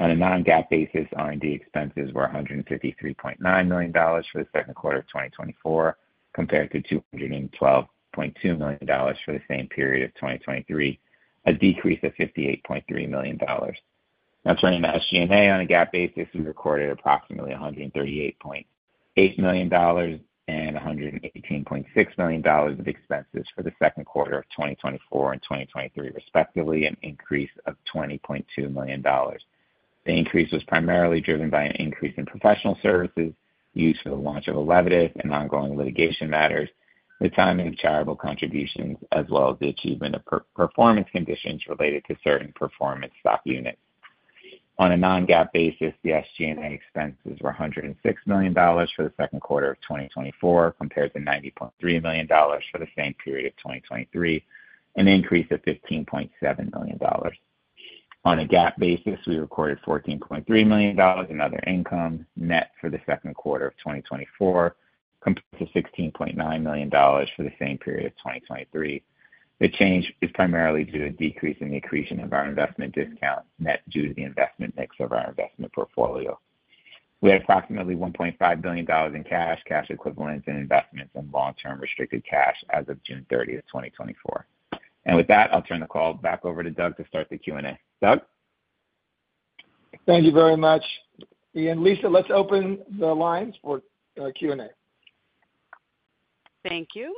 On a non-GAAP basis, R&D expenses were $153.9 million for the second quarter of 2024 compared to $212.2 million for the same period of 2023, a decrease of $58.3 million. Now, turning to SG&A, on a GAAP basis, we recorded approximately $138.8 million and $118.6 million of expenses for the second quarter of 2024 and 2023, respectively, an increase of $20.2 million. The increase was primarily driven by an increase in professional services used for the launch of ELEVIDYS and ongoing litigation matters, the timing of charitable contributions, as well as the achievement of performance conditions related to certain performance stock units. On a non-GAAP basis, the SG&A expenses were $106 million for the second quarter of 2024 compared to $90.3 million for the same period of 2023, an increase of $15.7 million. On a GAAP basis, we recorded $14.3 million in other income, net for the second quarter of 2024, compared to $16.9 million for the same period of 2023. The change is primarily due to a decrease in the accretion of our investment discount net due to the investment mix of our investment portfolio. We had approximately $1.5 billion in cash, cash equivalents, and investments in long-term restricted cash as of June 30th, 2024. And with that, I'll turn the call back over to Doug to start the Q&A. Doug? Thank you very much. Ian, Lisa, let's open the lines for Q&A. Thank you.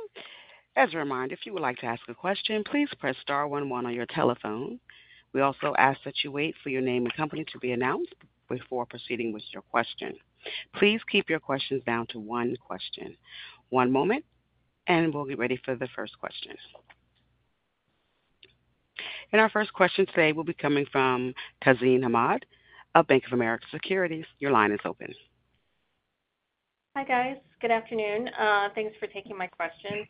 As a reminder, if you would like to ask a question, please press star one one on your telephone. We also ask that you wait for your name and company to be announced before proceeding with your question. Please keep your questions down to one question. One moment, and we'll get ready for the first question. And our first question today will be coming from Tazeen Ahmad of Bank of America Securities. Your line is open. Hi, guys. Good afternoon. Thanks for taking my question.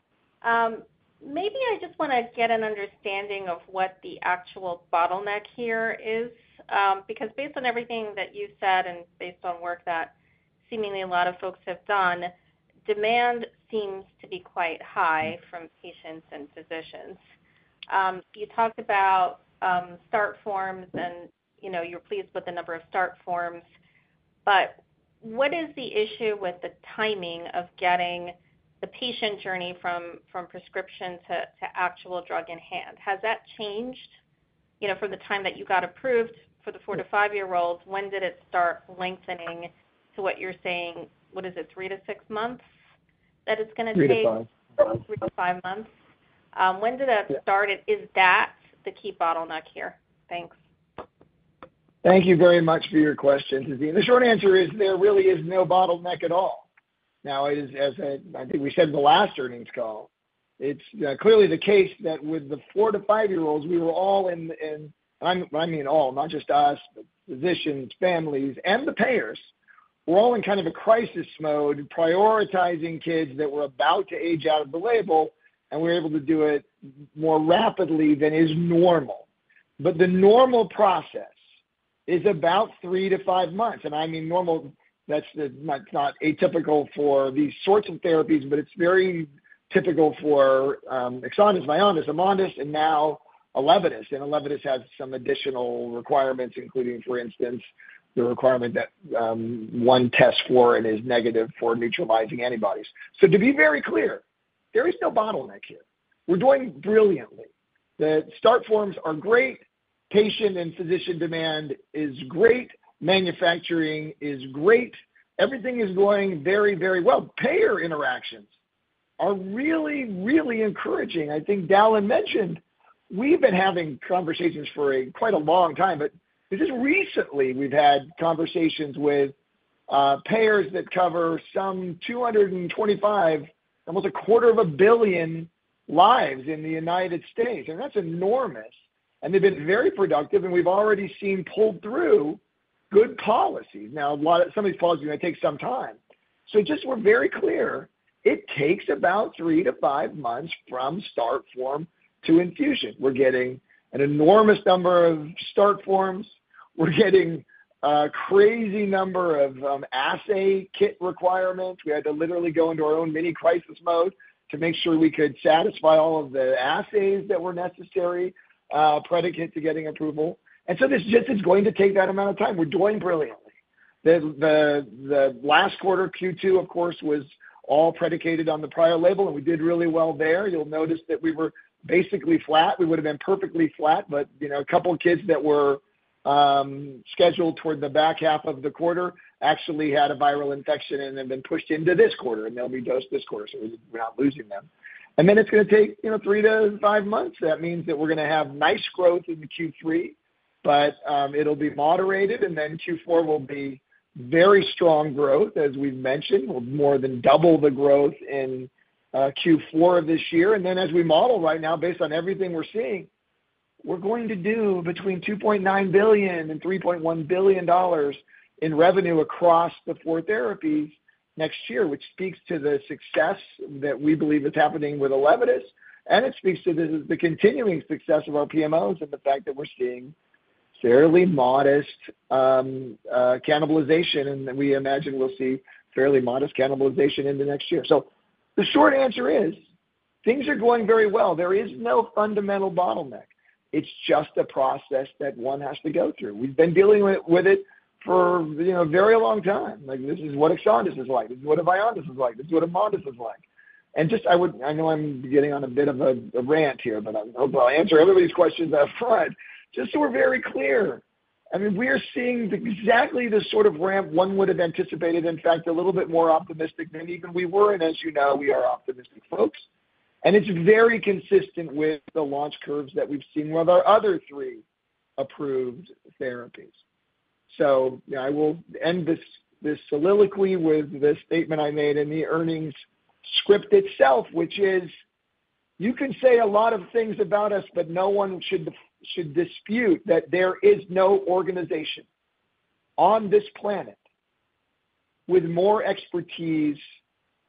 Maybe I just want to get an understanding of what the actual bottleneck here is, because based on everything that you said and based on work that seemingly a lot of folks have done, demand seems to be quite high from patients and physicians. You talked about start forms, and you're pleased with the number of start forms, but what is the issue with the timing of getting the patient journey from prescription to actual drug in hand? Has that changed from the time that you got approved for the four to five year-olds? When did it start lengthening to what you're saying? What is it, three to six months that it's going to take? three to five months. three to five months. When did that start? Is that the key bottleneck here? Thanks. Thank you very much for your question, Tazeen. The short answer is there really is no bottleneck at all. Now, as I think we said in the last earnings call, it's clearly the case that with the four to five year-olds, we were all in, I mean, all, not just us, but physicians, families, and the payers, we're all in kind of a crisis mode, prioritizing kids that were about to age out of the label, and we're able to do it more rapidly than is normal. But the normal process is about three to five months. And I mean normal, that's not atypical for these sorts of therapies, but it's very typical for EXONDYS, VYONDYS, AMONDYS, and now ELEVIDYS. And ELEVIDYS has some additional requirements, including, for instance, the requirement that one test for it is negative for neutralizing antibodies. So to be very clear, there is no bottleneck here. We're doing brilliantly. The start forms are great. Patient and physician demand is great. Manufacturing is great. Everything is going very, very well. Payer interactions are really, really encouraging. I think Dallan mentioned we've been having conversations for quite a long time, but this is recently we've had conversations with payers that cover some 225 million, almost a quarter of a billion lives in the United States. That's enormous. They've been very productive, and we've already seen pulled through good policies. Now, some of these policies may take some time. So just we're very clear, it takes about three to five months from start form to infusion. We're getting an enormous number of start forms. We're getting a crazy number of assay kit requirements. We had to literally go into our own mini crisis mode to make sure we could satisfy all of the assays that were necessary predicate to getting approval. So this just is going to take that amount of time. We're doing brilliantly. The last quarter, Q2, of course, was all predicated on the prior label, and we did really well there. You'll notice that we were basically flat. We would have been perfectly flat, but a couple of kids that were scheduled toward the back half of the quarter actually had a viral infection and have been pushed into this quarter, and they'll be dosed this quarter, so we're not losing them. And then it's going to take three to five months. That means that we're going to have nice growth in Q3, but it'll be moderated. And then Q4 will be very strong growth, as we've mentioned. We'll more than double the growth in Q4 of this year. And then as we model right now, based on everything we're seeing, we're going to do between $2.9 billion and $3.1 billion in revenue across the four therapies next year, which speaks to the success that we believe is happening with ELEVIDYS. And it speaks to the continuing success of our PMOs and the fact that we're seeing fairly modest cannibalization, and we imagine we'll see fairly modest cannibalization in the next year. So the short answer is things are going very well. There is no fundamental bottleneck. It's just a process that one has to go through. We've been dealing with it for a very long time. This is what EXONDYS is like. This is what VYONDYS is like. This is what AMONDYS is like. And just I know I'm getting on a bit of a rant here, but I'm hoping I'll answer everybody's questions up front. Just so we're very clear, I mean, we are seeing exactly the sort of ramp one would have anticipated. In fact, a little bit more optimistic than even we were. And as you know, we are optimistic folks. And it's very consistent with the launch curves that we've seen with our other three approved therapies. So I will end this soliloquy with the statement I made in the earnings script itself, which is, "You can say a lot of things about us, but no one should dispute that there is no organization on this planet with more expertise,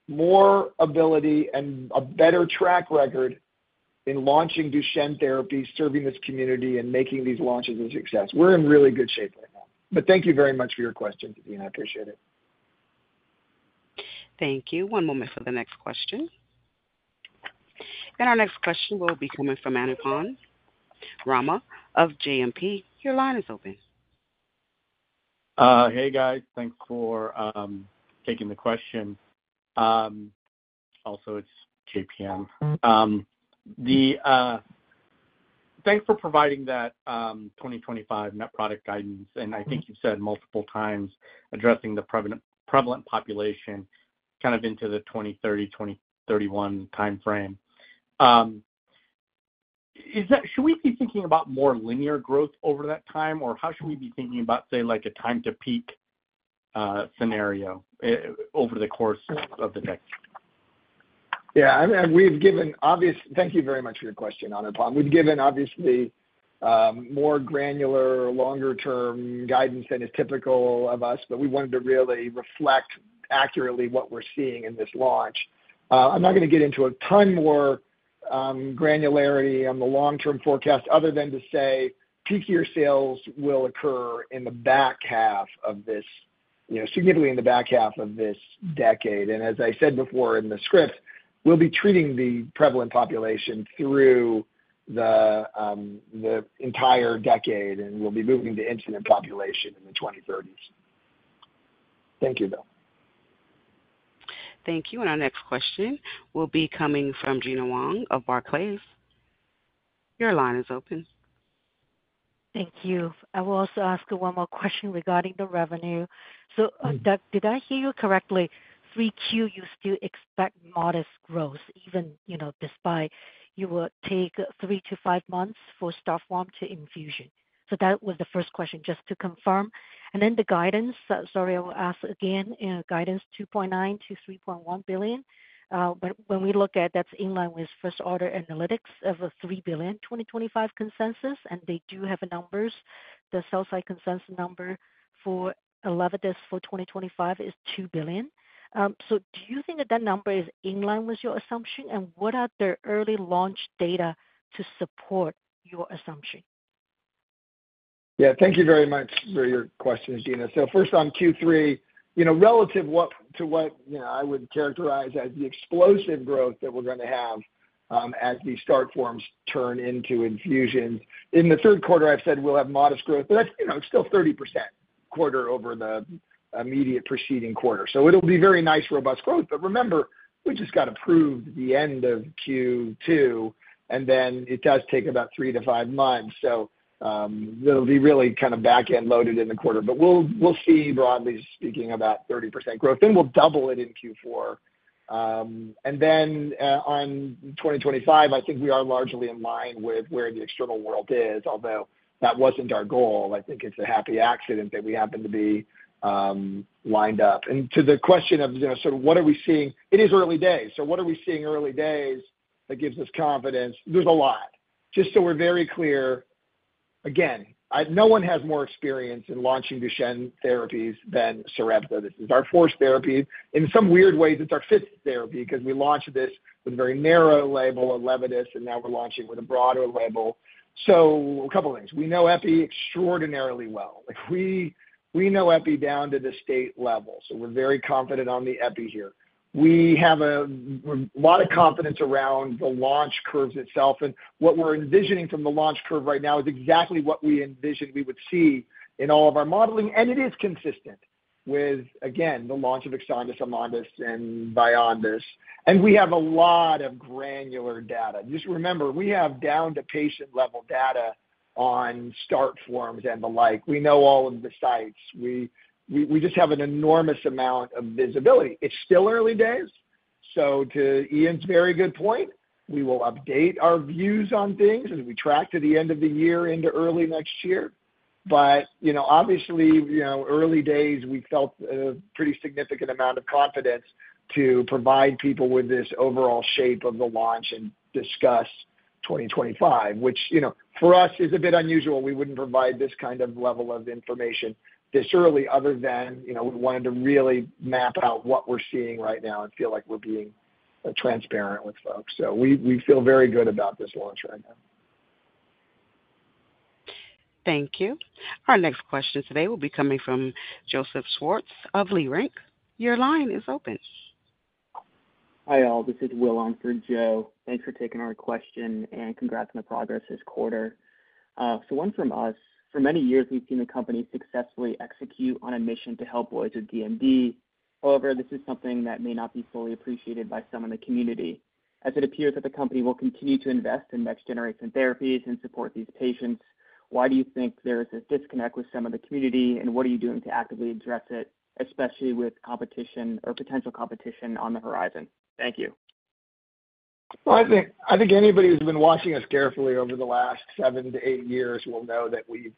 more ability, and a better track record in launching Duchenne therapy, serving this community, and making these launches a success." We're in really good shape right now. But thank you very much for your question, Tazeen. I appreciate it. Thank you. One moment for the next question. And our next question will be coming from Anupam Rama of JMP Your line is open. Hey, guys. Thanks for taking the question. Also, it's JPM. Thanks for providing that 2025 net product guidance. And I think you've said multiple times addressing the prevalent population kind of into the 2030, 2031 timeframe. Should we be thinking about more linear growth over that time, or how should we be thinking about, say, a time-to-peak scenario over the course of the decade? Yeah. Thank you very much for your question, Anupam. We've given, obviously, more granular, longer-term guidance than is typical of us, but we wanted to really reflect accurately what we're seeing in this launch. I'm not going to get into a ton more granularity on the long-term forecast other than to say peak year sales will occur in the back half of this, significantly in the back half of this decade. And as I said before in the script, we'll be treating the prevalent population through the entire decade, and we'll be moving to incident population in the 2030s. Thank you, Doug. Thank you. And our next question will be coming from Gena Wang of Barclays. Your line is open. Thank you. I will also ask one more question regarding the revenue. So, Doug, did I hear you correctly? 3Q, you still expect modest growth even despite you will take three to five months for start form to infusion. So that was the first question, just to confirm. And then the guidance, sorry, I will ask again, guidance $2.9 billion-$3.1 billion. When we look at that, that's in line with first-order analytics of a $3 billion 2025 consensus, and they do have numbers. The sell-side consensus number for ELEVIDYS for 2025 is $2 billion. So do you think that that number is in line with your assumption, and what are the early launch data to support your assumption? Yeah. Thank you very much for your questions, Gena. So first on Q3, relative to what I would characterize as the explosive growth that we're going to have as these start forms turn into infusions. In the third quarter, I've said we'll have modest growth, but that's still 30% quarter over the immediate preceding quarter. So it'll be very nice, robust growth. But remember, we just got approved at the end of Q2, and then it does take about three to five months. It'll be really kind of back-end loaded in the quarter. We'll see, broadly speaking, about 30% growth. We'll double it in Q4. Then on 2025, I think we are largely in line with where the external world is, although that wasn't our goal. I think it's a happy accident that we happen to be lined up. To the question of sort of what are we seeing, it is early days. What are we seeing early days that gives us confidence? There's a lot. Just so we're very clear, again, no one has more experience in launching Duchenne therapies than Sarepta. This is our fourth therapy. In some weird ways, it's our fifth therapy because we launched this with a very narrow label of ELEVIDYS, and now we're launching with a broader label. A couple of things. We know ELEVIDYS extraordinarily well. We know Epi down to the state level. So we're very confident on the Epi here. We have a lot of confidence around the launch curves itself. And what we're envisioning from the launch curve right now is exactly what we envisioned we would see in all of our modeling. And it is consistent with, again, the launch of EXONDYS, AMONDYS, and VYONDYS. And we have a lot of granular data. Just remember, we have down-to-patient level data on start forms and the like. We know all of the sites. We just have an enormous amount of visibility. It's still early days. So to Ian's very good point, we will update our views on things as we track to the end of the year into early next year. But obviously, early days, we felt a pretty significant amount of confidence to provide people with this overall shape of the launch and discuss 2025, which for us is a bit unusual. We wouldn't provide this kind of level of information this early other than we wanted to really map out what we're seeing right now and feel like we're being transparent with folks. So we feel very good about this launch right now. Thank you. Our next question today will be coming from Joseph Schwartz of Leerink. Your line is open. Hi, all. This is Will on for Joe. Thanks for taking our question and congrats on the progress this quarter. So one from us. For many years, we've seen the company successfully execute on a mission to help [inaudible] with DMD. However, this is something that may not be fully appreciated by some in the community. As it appears that the company will continue to invest in next-generation therapies and support these patients, why do you think there is a disconnect with some of the community, and what are you doing to actively address it, especially with potential competition on the horizon? Thank you. Well, I think anybody who's been watching us carefully over the last seven to eigh years will know that we've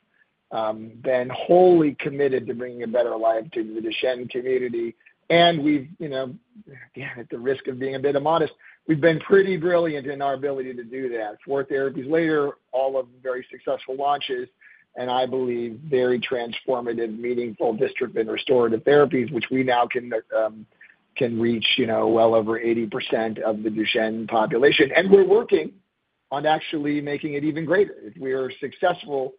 been wholly committed to bringing a better life to the Duchenne community. And we've, again, at the risk of being a bit immodest, we've been pretty brilliant in our ability to do that. Four therapies later, all of them very successful launches, and I believe very transformative, meaningful dystrophin and restorative therapies, which we now can reach well over 80% of the Duchenne population. And we're working on actually making it even greater. If we are successful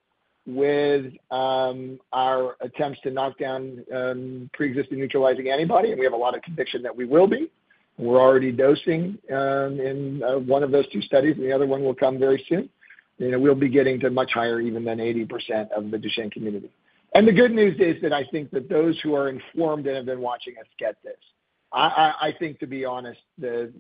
with our attempts to knock down pre-existing neutralizing antibody, and we have a lot of conviction that we will be, we're already dosing in one of those two studies, and the other one will come very soon. We'll be getting to much higher even than 80% of the Duchenne community. The good news is that I think that those who are informed and have been watching us get this. I think, to be honest, the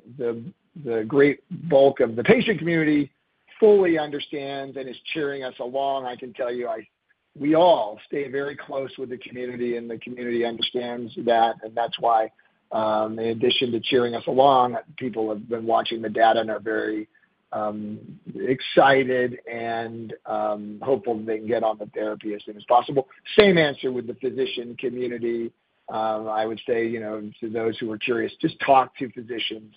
great bulk of the patient community fully understands and is cheering us along. I can tell you we all stay very close with the community, and the community understands that. That's why, in addition to cheering us along, people have been watching the data and are very excited and hopeful that they can get on the therapy as soon as possible. Same answer with the physician community. I would say to those who are curious, just talk to physicians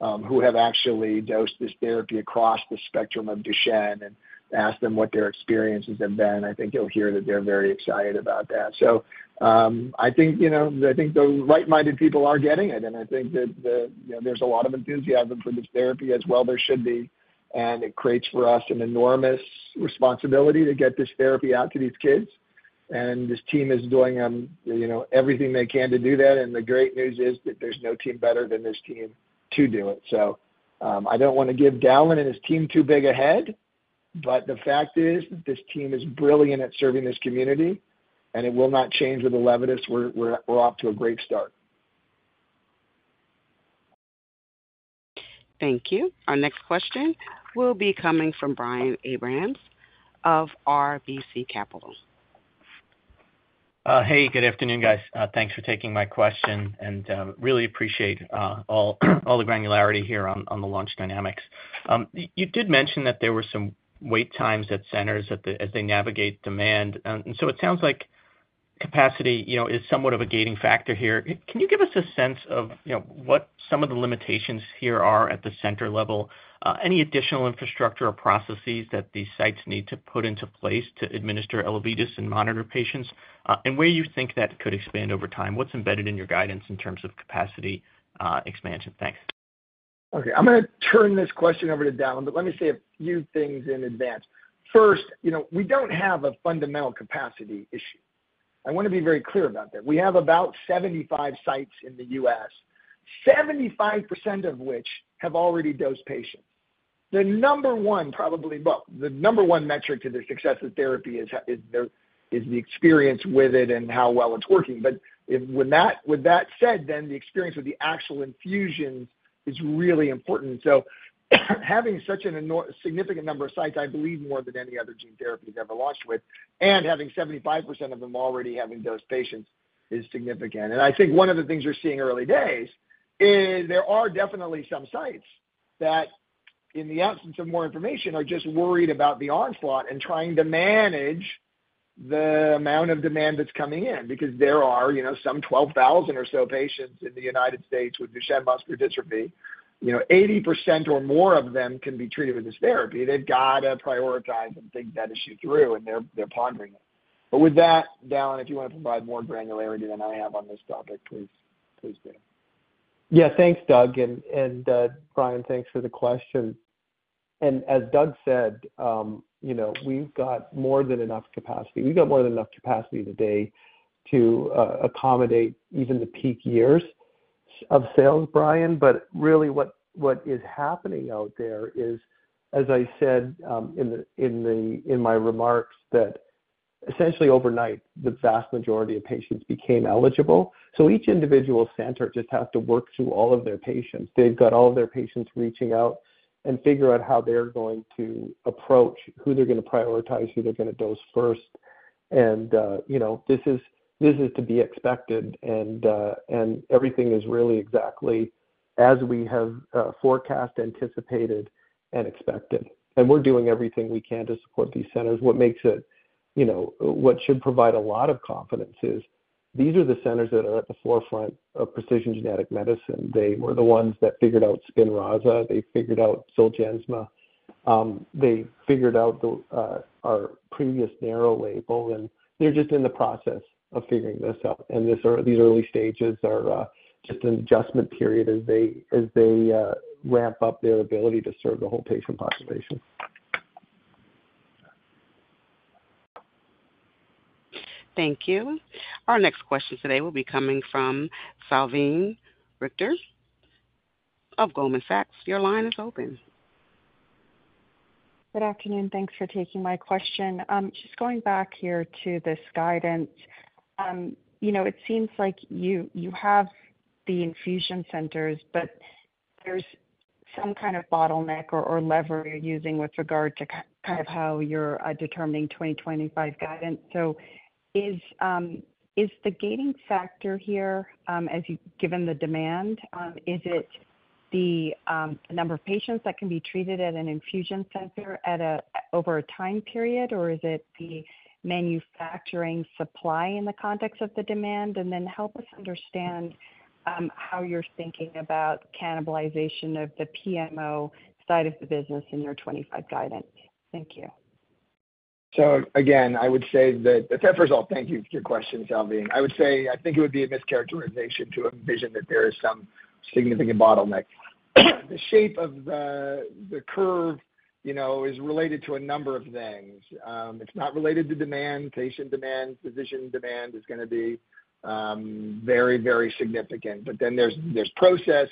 who have actually dosed this therapy across the spectrum of Duchenne and ask them what their experiences have been. I think you'll hear that they're very excited about that. So I think the right-minded people are getting it, and I think that there's a lot of enthusiasm for this therapy as well. There should be. And it creates for us an enormous responsibility to get this therapy out to these kids. And this team is doing everything they can to do that. And the great news is that there's no team better than this team to do it. So I don't want to give Dallan and his team too big a head, but the fact is that this team is brilliant at serving this community, and it will not change with the ELEVIDYS. We're off to a great start. Thank you. Our next question will be coming from Brian Abrahams of RBC Capital. Hey, good afternoon, guys. Thanks for taking my question, and really appreciate all the granularity here on the launch dynamics. You did mention that there were some wait times at centers as they navigate demand. And so it sounds like capacity is somewhat of a gating factor here. Can you give us a sense of what some of the limitations here are at the center level? Any additional infrastructure or processes that these sites need to put into place to administer ELEVIDYS and monitor patients? And where you think that could expand over time? What's embedded in your guidance in terms of capacity expansion? Thanks. Okay. I'm going to turn this question over to Dallan, but let me say a few things in advance. First, we don't have a fundamental capacity issue. I want to be very clear about that. We have about 75 sites in the U.S., 75% of which have already dosed patients. The number one, probably well, the number one metric to the success of therapy is the experience with it and how well it's working. But with that said, then the experience with the actual infusions is really important. So having such a significant number of sites, I believe more than any other gene therapy has ever launched with, and having 75% of them already having dosed patients is significant. And I think one of the things you're seeing early days is there are definitely some sites that, in the absence of more information, are just worried about the onslaught and trying to manage the amount of demand that's coming in because there are some 12,000 or so patients in the United States with Duchenne muscular dystrophy. 80% or more of them can be treated with this therapy. They've got to prioritize and think that issue through, and they're pondering it. But with that, Dallan, if you want to provide more granularity than I have on this topic, please do. Yeah. Thanks, Doug. And Brian, thanks for the question. And as Doug said, we've got more than enough capacity. We've got more than enough capacity today to accommodate even the peak years of sales, Brian. But really, what is happening out there is, as I said in my remarks, that essentially overnight, the vast majority of patients became eligible. So each individual center just has to work through all of their patients. They've got all of their patients reaching out and figure out how they're going to approach, who they're going to prioritize, who they're going to dose first. This is to be expected, and everything is really exactly as we have forecast, anticipated, and expected. We're doing everything we can to support these centers. What makes it, what should provide a lot of confidence, is these are the centers that are at the forefront of precision genetic medicine. They were the ones that figured out Spinraza. They figured out Zolgensma. They figured out our previous narrow label, and they're just in the process of figuring this out. These early stages are just an adjustment period as they ramp up their ability to serve the whole patient population. Thank you. Our next question today will be coming from Salveen Richter of Goldman Sachs. Your line is open. Good afternoon. Thanks for taking my question. Just going back here to this guidance, it seems like you have the infusion centers, but there's some kind of bottleneck or lever you're using with regard to kind of how you're determining 2025 guidance. So is the gating factor here, given the demand, is it the number of patients that can be treated at an infusion center over a time period, or is it the manufacturing supply in the context of the demand? And then help us understand how you're thinking about cannibalization of the PMO side of the business in your 2025 guidance. Thank you. So again, I would say that first of all, thank you for your question, Salveen. I would say I think it would be a mischaracterization to envision that there is some significant bottleneck. The shape of the curve is related to a number of things. It's not related to demand, patient demand, physician demand is going to be very, very significant. But then there's process.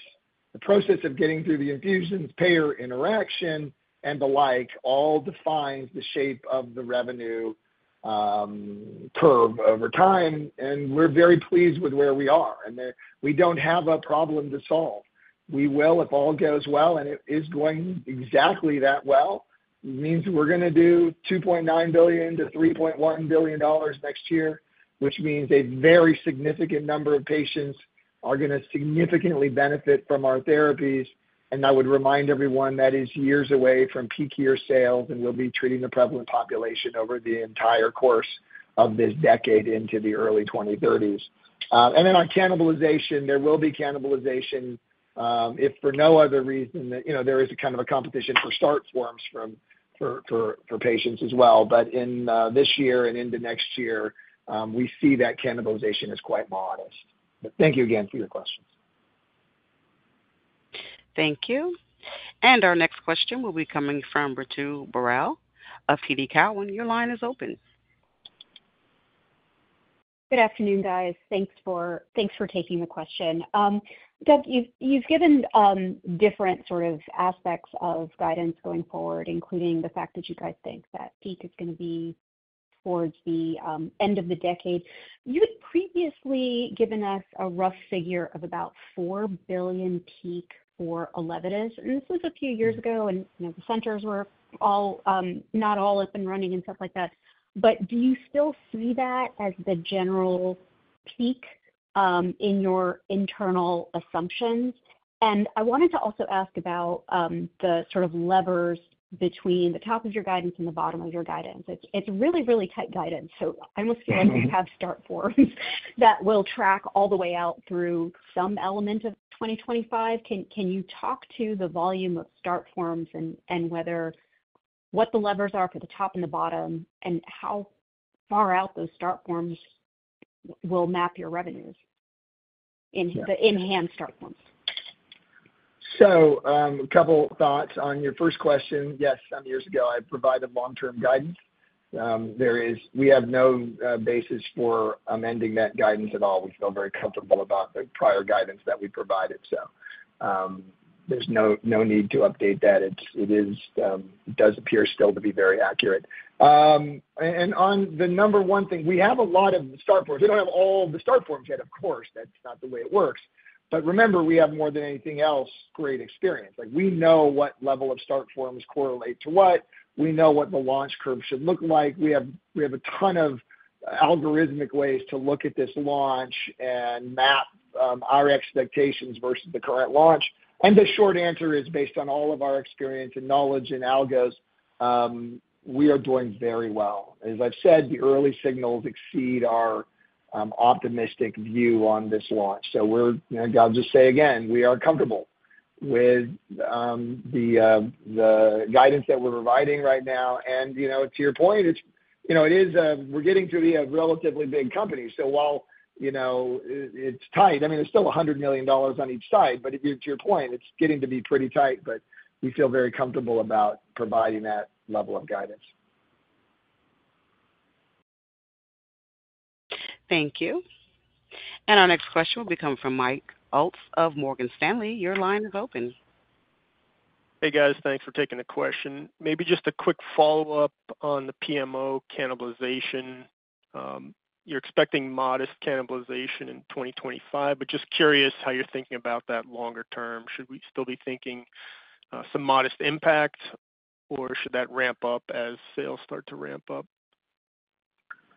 The process of getting through the infusions, payer interaction, and the like all defines the shape of the revenue curve over time. And we're very pleased with where we are. And we don't have a problem to solve. We will, if all goes well, and it is going exactly that well, means we're going to do $2.9 billion-$3.1 billion next year, which means a very significant number of patients are going to significantly benefit from our therapies. And I would remind everyone that is years away from peak year sales, and we'll be treating the prevalent population over the entire course of this decade into the early 2030s. And then on cannibalization, there will be cannibalization if for no other reason than there is kind of a competition for start forms for patients as well. But in this year and into next year, we see that cannibalization is quite modest. But thank you again for your questions. Thank you. And our next question will be coming from Ritu Baral of TD Cowen. Your line is open. Good afternoon, guys. Thanks for taking the question. Doug, you've given different sort of aspects of guidance going forward, including the fact that you guys think that peak is going to be towards the end of the decade. You had previously given us a rough figure of about $4 billion peak for ELEVIDYS. And this was a few years ago, and the centers were not all up and running and stuff like that. But do you still see that as the general peak in your internal assumptions? And I wanted to also ask about the sort of levers between the top of your guidance and the bottom of your guidance. It's really, really tight guidance. So I almost feel like we have start forms that will track all the way out through some element of 2025. Can you talk to the volume of start forms and what the levers are for the top and the bottom, and how far out those start forms will map your revenues in the enhanced start forms? So a couple of thoughts on your first question. Yes, some years ago, I provided long-term guidance. We have no basis for amending that guidance at all. We feel very comfortable about the prior guidance that we provided. So there's no need to update that. It does appear still to be very accurate. And on the number one thing, we have a lot of start forms. We don't have all the start forms yet, of course. That's not the way it works. But remember, we have, more than anything else, great experience. We know what level of start forms correlate to what. We know what the launch curve should look like. We have a ton of algorithmic ways to look at this launch and map our expectations versus the current launch. And the short answer is, based on all of our experience and knowledge and algos, we are doing very well. As I've said, the early signals exceed our optimistic view on this launch. So I'll just say again, we are comfortable with the guidance that we're providing right now. And to your point, it is we're getting to be a relatively big company. So while it's tight, I mean, it's still $100 million on each side. But to your point, it's getting to be pretty tight, but we feel very comfortable about providing that level of guidance. Thank you. Our next question will be coming from Mike Ulz of Morgan Stanley. Your line is open. Hey, guys. Thanks for taking the question. Maybe just a quick follow-up on the PMO cannibalization. You're expecting modest cannibalization in 2025, but just curious how you're thinking about that longer term. Should we still be thinking some modest impact, or should that ramp up as sales start to ramp up?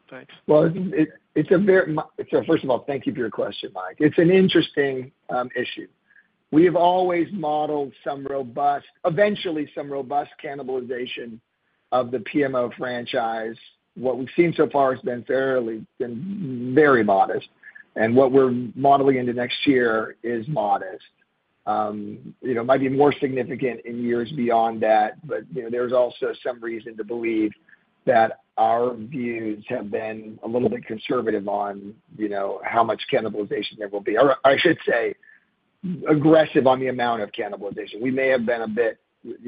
Thanks. Well, it's a very first of all, thank you for your question, Mike. It's an interesting issue. We have always modeled eventually some robust cannibalization of the PMO franchise. What we've seen so far has been very modest. What we're modeling into next year is modest. It might be more significant in years beyond that, but there's also some reason to believe that our views have been a little bit conservative on how much cannibalization there will be, or I should say aggressive on the amount of cannibalization. We may have been a bit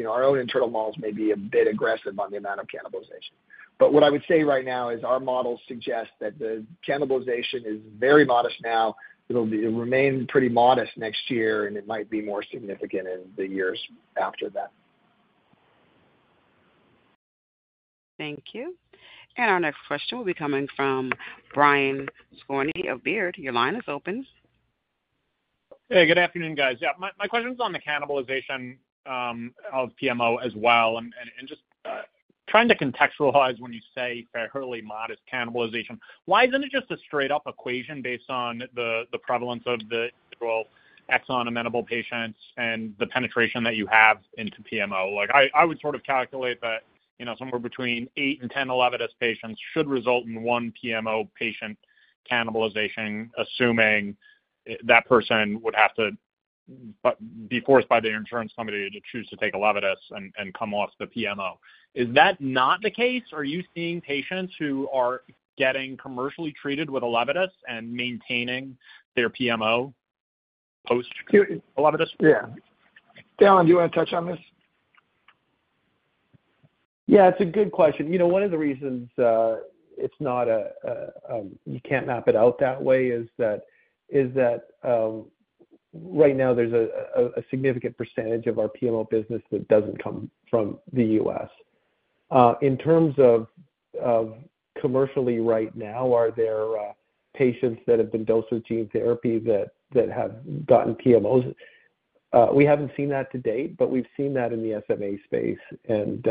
our own internal models may be a bit aggressive on the amount of cannibalization. But what I would say right now is our models suggest that the cannibalization is very modest now. It'll remain pretty modest next year, and it might be more significant in the years after that. Thank you. Our next question will be coming from Brian Skorney of Baird. Your line is open. Hey, good afternoon, guys. Yeah, my question is on the cannibalization of PMO as well. And just trying to contextualize when you say fairly modest cannibalization, why isn't it just a straight-up equation based on the prevalence of the individual exon amenable patients and the penetration that you have into PMO? I would sort of calculate that somewhere between eight and 10 ELEVIDYS patients should result in one PMO patient cannibalization, assuming that person would have to be forced by their insurance company to choose to take ELEVIDYS and come off the PMO. Is that not the case? Are you seeing patients who are getting commercially treated with ELEVIDYS and maintaining their PMO post-ELEVIDYS? Yeah. Dallan, do you want to touch on this? Yeah, it's a good question. One of the reasons it's not, you can't map it out that way is that right now there's a significant percentage of our PMO business that doesn't come from the US. In terms of commercially right now, are there patients that have been dosed with gene therapy that have gotten PMOs? We haven't seen that to date, but we've seen that in the SMA space. And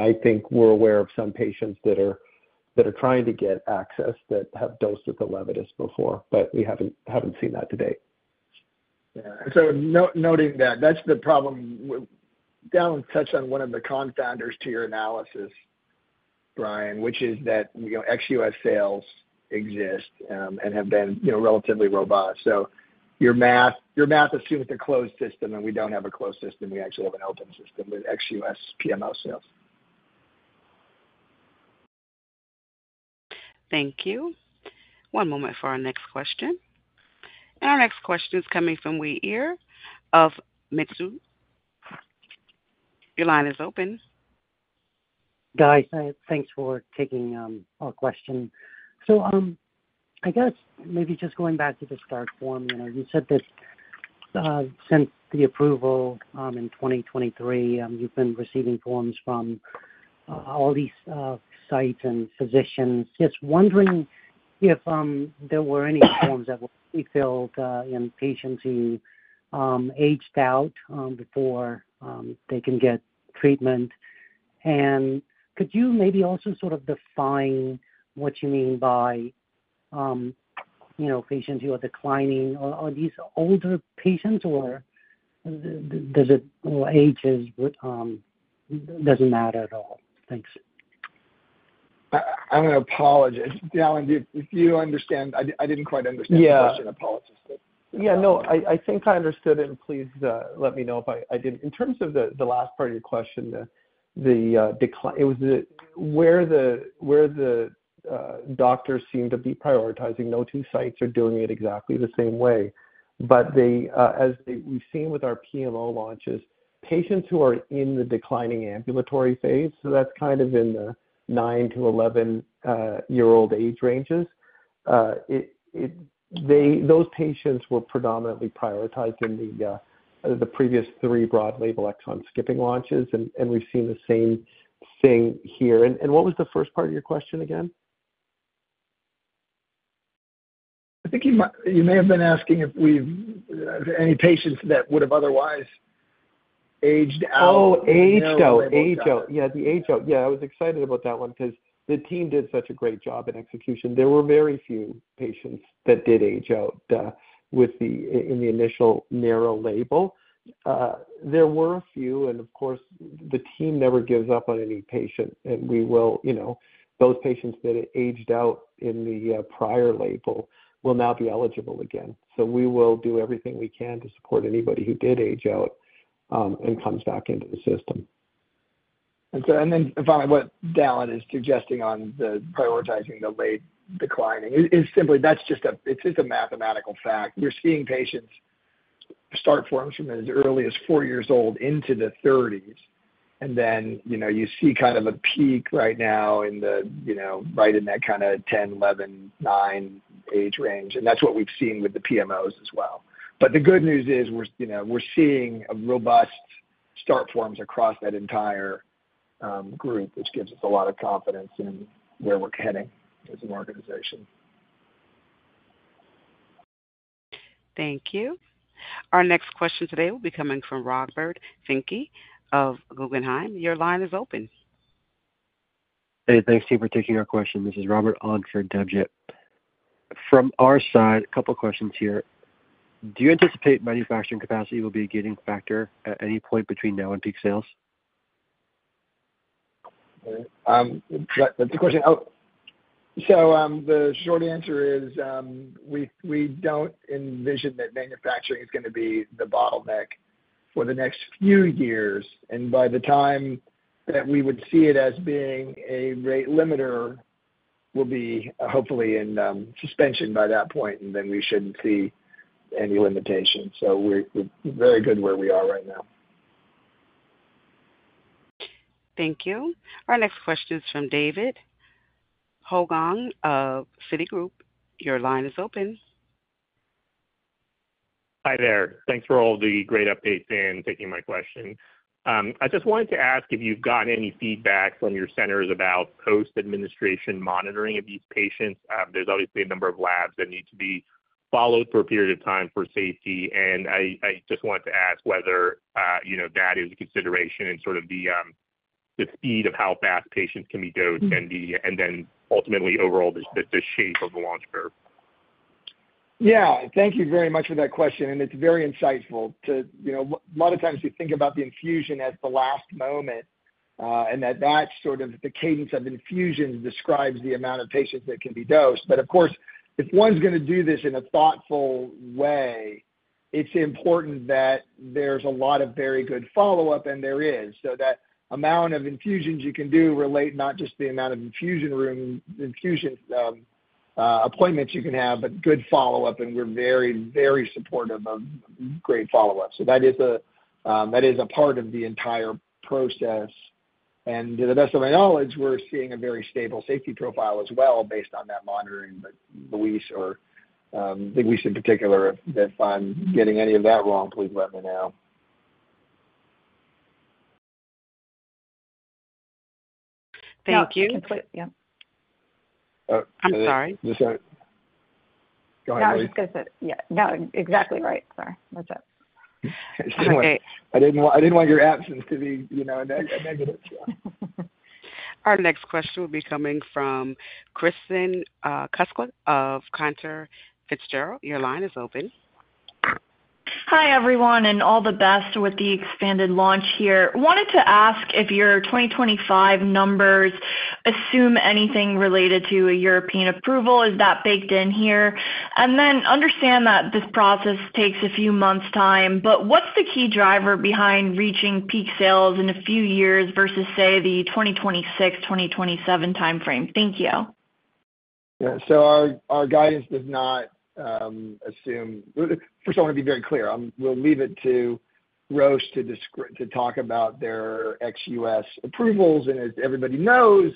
I think we're aware of some patients that are trying to get access that have dosed with ELEVIDYS before, but we haven't seen that to date. Yeah. So noting that, that's the problem. Dallan touched on one of the confounders to your analysis, Brian, which is that ex-US sales exist and have been relatively robust. So your math assumes a closed system, and we don't have a closed system. We actually have an open system with ex-US PMO sales. Thank you. One moment for our next question. And our next question is coming from Uy Ear of Mizuho. Your line is open. Guy, thanks for taking our question. So, I guess maybe just going back to the Start Form, you said that since the approval in 2023, you've been receiving forms from all these sites and physicians. Just wondering if there were any forms that were pre-filled in patients who aged out before they can get treatment. And could you maybe also sort of define what you mean by patients who are declining? Are these older patients, or does it age as it doesn't matter at all? Thanks. I'm going to apologize. Dallan, if you understand, I didn't quite understand the question. Yeah. No, I think I understood it, and please let me know if I didn't. In terms of the last part of your question, it was where the doctors seem to be prioritizing. No two sites are doing it exactly the same way. But as we've seen with our PMO launches, patients who are in the declining ambulatory phase, so that's kind of in the nine to 11 year-old age ranges, those patients were predominantly prioritized in the previous three broad label exon skipping launches, and we've seen the same thing here. And what was the first part of your question again? I think you may have been asking if any patients that would have otherwise aged out. Oh, age out. Yeah, the age out. Yeah, I was excited about that one because the team did such a great job in execution. There were very few patients that did age out in the initial narrow label. There were a few, and of course, the team never gives up on any patient. And we will, those patients that aged out in the prior label will now be eligible again. So we will do everything we can to support anybody who did age out and comes back into the system. And then finally, what Dallan is suggesting on the prioritizing the late declining is simply that's just a mathematical fact. We're seeing patients start forms from as early as four years old into the 30s. And then you see kind of a peak right now in the right in that kind of 10, 11, nine age range. And that's what we've seen with the PMOs as well. But the good news is we're seeing robust start forms across that entire group, which gives us a lot of confidence in where we're heading as an organization. Thank you. Our next question today will be coming from Robert Finke of Guggenheim. Your line is open. Hey, thanks to you for taking our question. This is Robert on for Debjit. From our side, a couple of questions here. Do you anticipate manufacturing capacity will be a gating factor at any point between now and peak sales? That's a question. So the short answer is we don't envision that manufacturing is going to be the bottleneck for the next few years. And by the time that we would see it as being a rate limiter, we'll be hopefully in suspension by that point, and then we shouldn't see any limitations. So we're very good where we are right now. Thank you. Our next question is from David Hoang of Citi. Your line is open. Hi there. Thanks for all the great updates and taking my question. I just wanted to ask if you've gotten any feedback from your centers about post-administration monitoring of these patients. There's obviously a number of labs that need to be followed for a period of time for safety. I just wanted to ask whether that is a consideration in sort of the speed of how fast patients can be dosed and then ultimately overall the shape of the launch curve. Yeah. Thank you very much for that question. It's very insightful. A lot of times we think about the infusion as the last moment and that that sort of the cadence of infusions describes the amount of patients that can be dosed. But of course, if one's going to do this in a thoughtful way, it's important that there's a lot of very good follow-up, and there is. So that amount of infusions you can do relate not just to the amount of infusion appointments you can have, but good follow-up. And we're very, very supportive of great follow-up. So that is a part of the entire process. And to the best of my knowledge, we're seeing a very stable safety profile as well based on that monitoring. But Louise or Louise in particular, if I'm getting any of that wrong, please let me know. Thank you. Yeah. I'm sorry. Go ahead, Louise. No, I was going to say, yeah. No, exactly right. Sorry. That's it. I didn't want your absence to be a negative. Our next question will be coming from Kristen Kluska of Cantor Fitzgerald. Your line is open. Hi everyone, and all the best with the expanded launch here. Wanted to ask if your 2025 numbers assume anything related to a European approval. Is that baked in here? And then understand that this process takes a few months' time, but what's the key driver behind reaching peak sales in a few years versus, say, the 2026, 2027 timeframe? Thank you. Yeah. So our guidance does not assume first, I want to be very clear. We'll leave it to Roche to talk about their ex-U.S. approvals. And as everybody knows,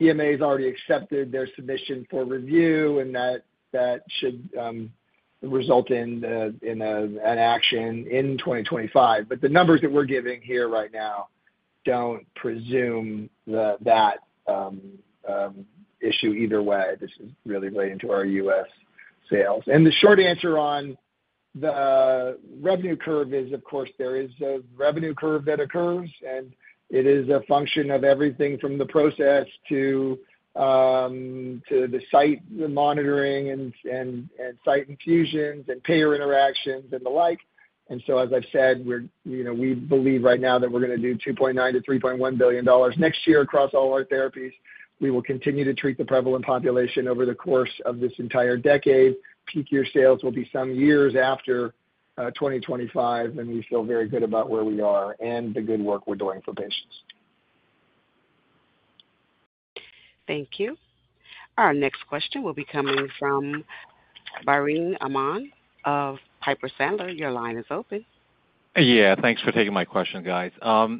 EMA has already accepted their submission for review, and that should result in an action in 2025. But the numbers that we're giving here right now don't presume that issue either way. This is really relating to our U.S. sales. And the short answer on the revenue curve is, of course, there is a revenue curve that occurs, and it is a function of everything from the process to the site monitoring and site infusions and payer interactions and the like. As I've said, we believe right now that we're going to do $2.9 billion-$3.1 billion next year across all our therapies. We will continue to treat the prevalent population over the course of this entire decade. Peak year sales will be some years after 2025, and we feel very good about where we are and the good work we're doing for patients. Thank you. Our next question will be coming from Biren Amin of Piper Sandler. Your line is open. Yeah. Thanks for taking my question, guys.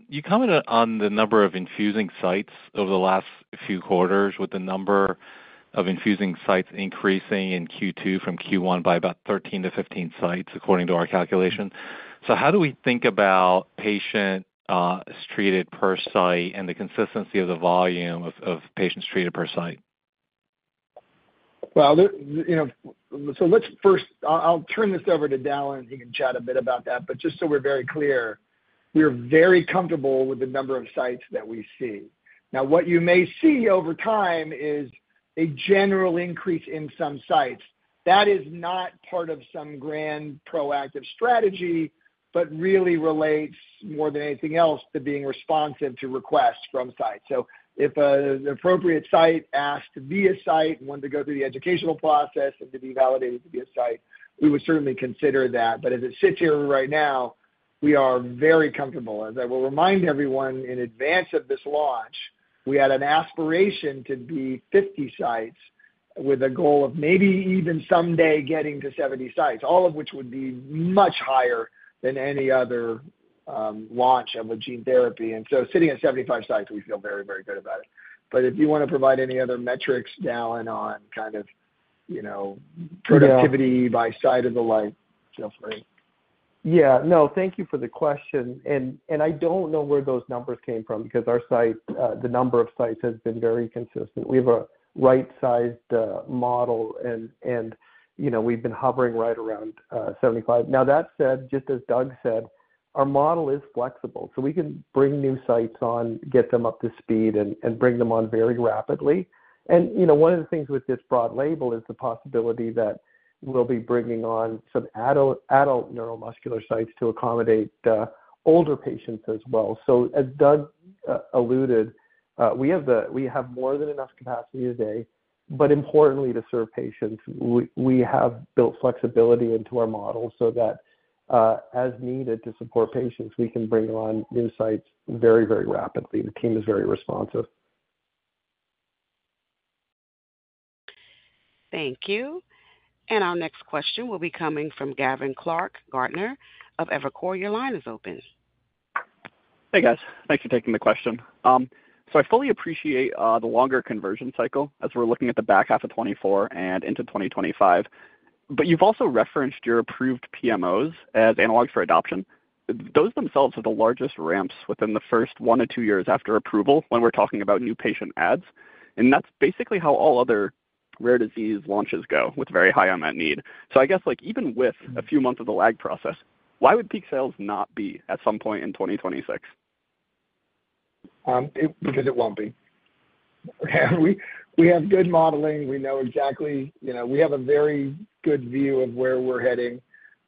You commented on the number of infusing sites over the last few quarters with the number of infusing sites increasing in Q2 from Q1 by about 13-15 sites according to our calculation. So how do we think about patients treated per site and the consistency of the volume of patients treated per site? Well, so let's first, I'll turn this over to Dallan, and he can chat a bit about that. But just so we're very clear, we're very comfortable with the number of sites that we see. Now, what you may see over time is a general increase in some sites. That is not part of some grand proactive strategy, but really relates more than anything else to being responsive to requests from sites. So if an appropriate site asked to be a site and wanted to go through the educational process and to be validated to be a site, we would certainly consider that. But as it sits here right now, we are very comfortable. As I will remind everyone in advance of this launch, we had an aspiration to be 50 sites with a goal of maybe even someday getting to 70 sites, all of which would be much higher than any other launch of a gene therapy. And so sitting at 75 sites, we feel very, very good about it. But if you want to provide any other metrics, Dallan, on kind of productivity by site of the like, feel free. Yeah. No, thank you for the question. And I don't know where those numbers came from because the number of sites has been very consistent. We have a right-sized model, and we've been hovering right around 75. Now, that said, just as Doug said, our model is flexible. So we can bring new sites on, get them up to speed, and bring them on very rapidly. And one of the things with this broad label is the possibility that we'll be bringing on some adult neuromuscular sites to accommodate older patients as well. So as Doug alluded, we have more than enough capacity today. But importantly, to serve patients, we have built flexibility into our model so that as needed to support patients, we can bring on new sites very, very rapidly. The team is very responsive. Thank you. And our next question will be coming from Gavin Clark-Gartner of Evercore. Your line is open. Hey, guys. Thanks for taking the question. So I fully appreciate the longer conversion cycle as we're looking at the back half of 2024 and into 2025. But you've also referenced your approved PMOs as analogs for adoption. Those themselves are the largest ramps within the first one to two years after approval when we're talking about new patient adds. And that's basically how all other rare disease launches go with very high unmet need. So I guess even with a few months of the lag process, why would peak sales not be at some point in 2026? Because it won't be. We have good modeling. We know exactly. We have a very good view of where we're heading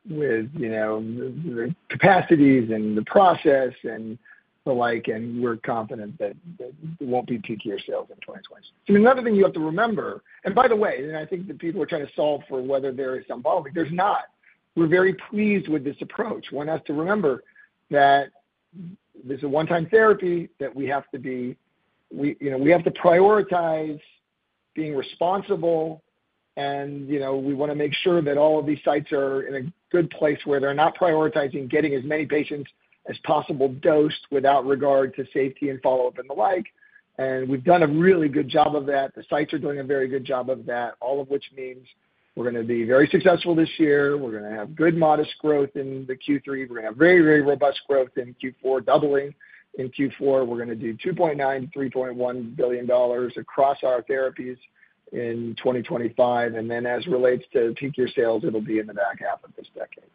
with the capacities and the process and the like, and we're confident that there won't be peak year sales in 2026. And another thing you have to remember, and by the way, I think that people are trying to solve for whether there is some bottleneck. There's not. We're very pleased with this approach. One has to remember that this is a one-time therapy that we have to be we have to prioritize being responsible, and we want to make sure that all of these sites are in a good place where they're not prioritizing getting as many patients as possible dosed without regard to safety and follow-up and the like. And we've done a really good job of that. The sites are doing a very good job of that, all of which means we're going to be very successful this year. We're going to have good modest growth in Q3. We're going to have very, very robust growth in Q4, doubling. In Q4, we're going to do $2.9 billion-$3.1 billion across our therapies in 2025. And then as it relates to peak year sales, it'll be in the back half of this decade.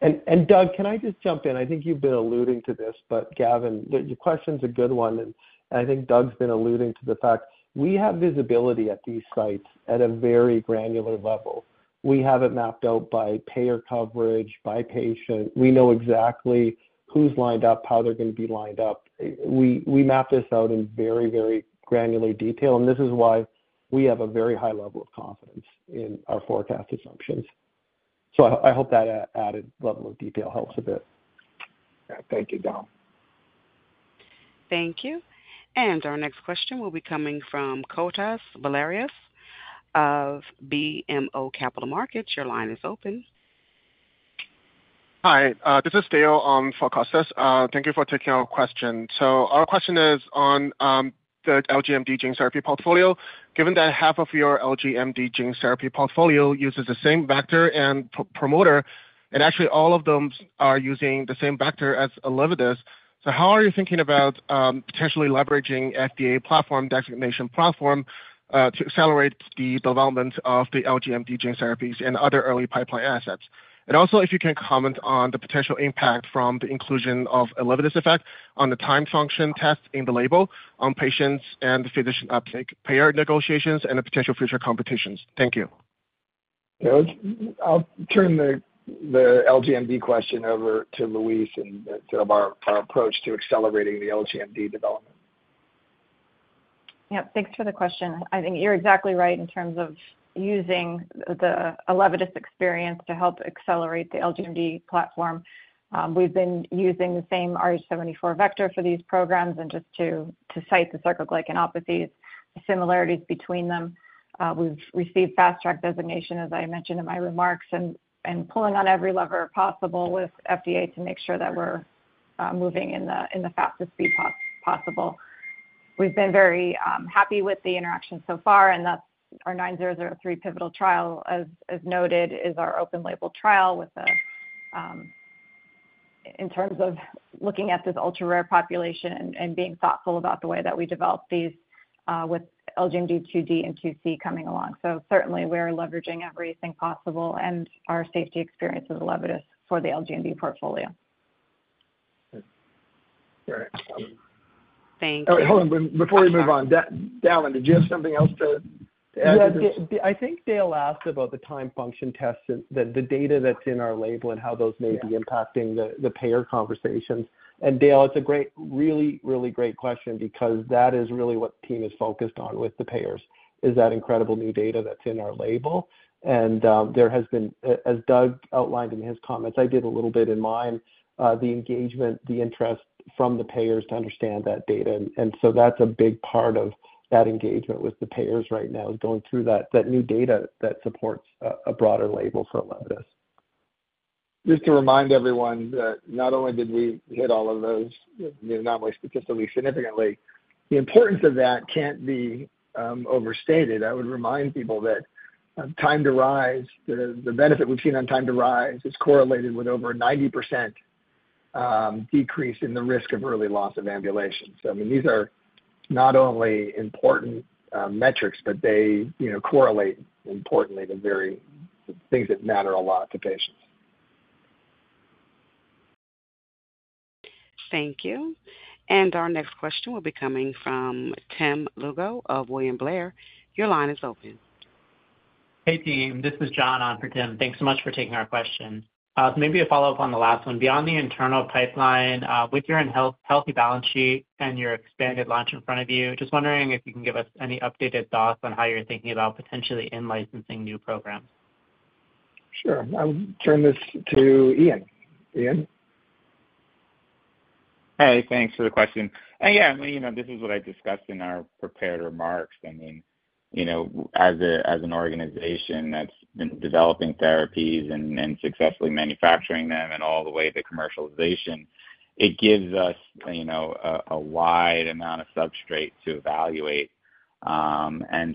And Doug, can I just jump in? I think you've been alluding to this, but Gavin, your question's a good one. And I think Doug's been alluding to the fact we have visibility at these sites at a very granular level. We have it mapped out by payer coverage, by patient. We know exactly who's lined up, how they're going to be lined up. We map this out in very, very granular detail. And this is why we have a very high level of confidence in our forecast assumptions. So I hope that added level of detail helps a bit. Thank you, [Dallan]. Thank you. And our next question will be coming from Kostas Biliouris of BMO Capital Markets. Your line is open. Hi. This is Dale on for Kostas. Thank you for taking our question. So our question is on the LGMD gene therapy portfolio. Given that half of your LGMD gene therapy portfolio uses the same vector and promoter, and actually all of them are using the same vector as ELEVIDYS, so how are you thinking about potentially leveraging FDA platform designation platform to accelerate the development of the LGMD gene therapies and other early pipeline assets? And also, if you can comment on the potential impact from the inclusion of ELEVIDYS effect on the time function test in the label on patients and physician payer negotiations and the potential future competitions. Thank you. I'll turn the LGMD question over to Louise and sort of our approach to accelerating the LGMD development. Yep. Thanks for the question. I think you're exactly right in terms of using the ELEVIDYS experience to help accelerate the LGMD platform. We've been using the same AAVrh74 vector for these programs. Just to cite the Sarcoglycanopathies, similarities between them, we've received fast-track designation, as I mentioned in my remarks, and pulling on every lever possible with FDA to make sure that we're moving in the fastest speed possible. We've been very happy with the interaction so far. And our 9003 pivotal trial, as noted, is our open-label trial in terms of looking at this ultra-rare population and being thoughtful about the way that we develop these with LGMD 2D and 2C coming along. So certainly, we're leveraging everything possible and our safety experience with ELEVIDYS for the LGMD portfolio. Right. Thank you. Hold on. Before we move on, Dallan, did you have something else to add to this? I think Dale asked about the time function tests and the data that's in our label and how those may be impacting the payer conversations. And Dale, it's a great, really, really great question because that is really what the team is focused on with the payers, is that incredible new data that's in our label. And there has been, as Doug outlined in his comments, I did a little bit in mine, the engagement, the interest from the payers to understand that data. And so that's a big part of that engagement with the payers right now is going through that new data that supports a broader label for ELEVIDYS. Just to remind everyone that not only did we hit all of those endpoints statistically significantly, the importance of that can't be overstated. I would remind people that time to rise, the benefit we've seen on time to rise, is correlated with over a 90% decrease in the risk of early loss of ambulation. So I mean, these are not only important metrics, but they correlate importantly to very things that matter a lot to patients. Thank you. And our next question will be coming from Tim Lugo of William Blair. Your line is open. Hey, team. This is John on for Tim. Thanks so much for taking our question. So maybe a follow-up on the last one. Beyond the internal pipeline, with your healthy balance sheet and your expanded launch in front of you, just wondering if you can give us any updated thoughts on how you're thinking about potentially in-licensing new programs. Sure. I would turn this to Ian. Ian. Hey, thanks for the question. And yeah, I mean, this is what I discussed in our prepared remarks. I mean, as an organization that's been developing therapies and successfully manufacturing them and all the way to commercialization, it gives us a wide amount of substrate to evaluate.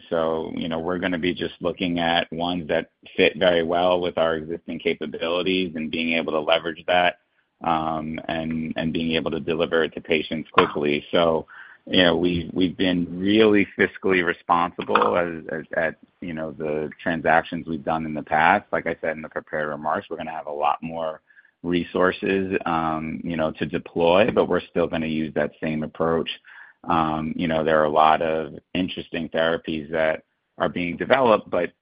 So we're going to be just looking at ones that fit very well with our existing capabilities and being able to leverage that and being able to deliver it to patients quickly. We've been really fiscally responsible at the transactions we've done in the past. Like I said in the prepared remarks, we're going to have a lot more resources to deploy, but we're still going to use that same approach. There are a lot of interesting therapies that are being developed, but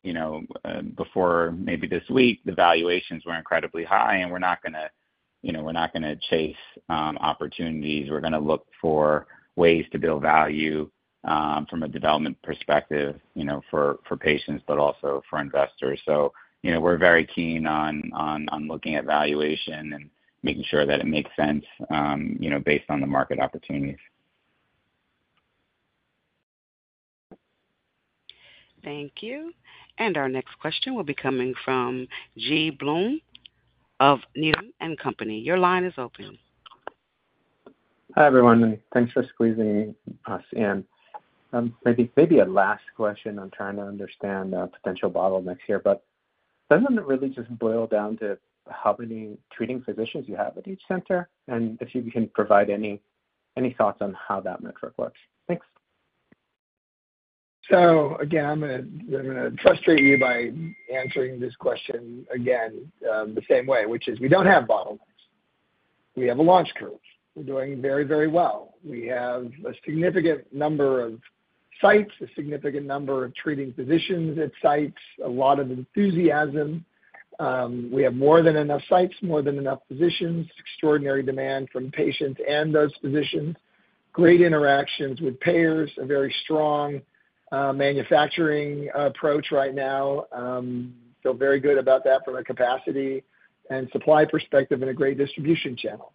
before maybe this week, the valuations were incredibly high, and we're not going to chase opportunities. We're going to look for ways to build value from a development perspective for patients, but also for investors. So we're very keen on looking at valuation and making sure that it makes sense based on the market opportunities. Thank you. And our next question will be coming from Gil Blum of Needham & Company. Your line is open. Hi, everyone. Thanks for squeezing us in. Maybe a last question. I'm trying to understand a potential bottleneck next year, but doesn't it really just boil down to how many treating physicians you have at each center? And if you can provide any thoughts on how that metric works. Thanks. So again, I'm going to frustrate you by answering this question again the same way, which is we don't have bottlenecks. We have a launch group. We're doing very, very well. We have a significant number of sites, a significant number of treating physicians at sites, a lot of enthusiasm. We have more than enough sites, more than enough physicians, extraordinary demand from patients and those physicians, great interactions with payers, a very strong manufacturing approach right now. Feel very good about that from a capacity and supply perspective and a great distribution channel.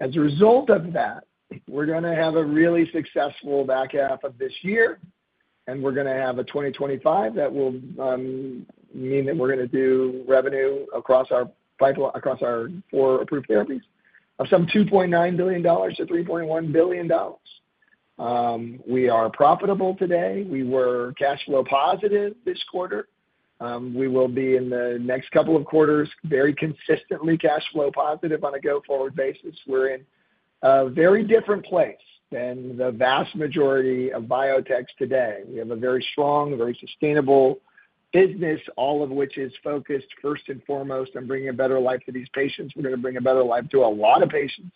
As a result of that, we're going to have a really successful back half of this year, and we're going to have a 2025 that will mean that we're going to do revenue across our four approved therapies of some $2.9 billion-$3.1 billion. We are profitable today. We were cash flow positive this quarter. We will be in the next couple of quarters very consistently cash flow positive on a go-forward basis. We're in a very different place than the vast majority of biotechs today. We have a very strong, very sustainable business, all of which is focused first and foremost on bringing a better life to these patients. We're going to bring a better life to a lot of patients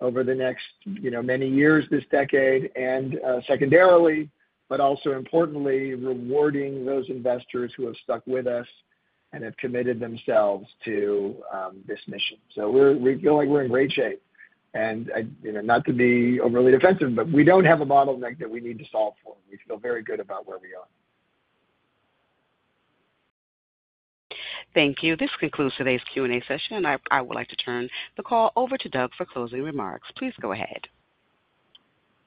over the next many years this decade and secondarily, but also importantly, rewarding those investors who have stuck with us and have committed themselves to this mission. So we feel like we're in great shape. And not to be overly defensive, but we don't have a bottleneck that we need to solve for. We feel very good about where we are. Thank you. This concludes today's Q&A session. I would like to turn the call over to Doug for closing remarks. Please go ahead.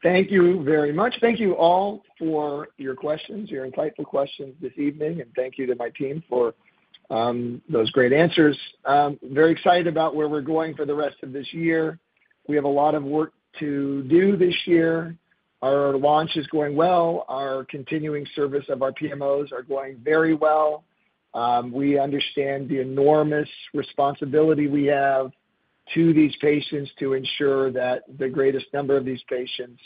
Thank you very much. Thank you all for your questions, your insightful questions this evening. And thank you to my team for those great answers. Very excited about where we're going for the rest of this year. We have a lot of work to do this year. Our launch is going well. Our continuing service of our PMOs are going very well. We understand the enormous responsibility we have to these patients to ensure that the greatest number of these patients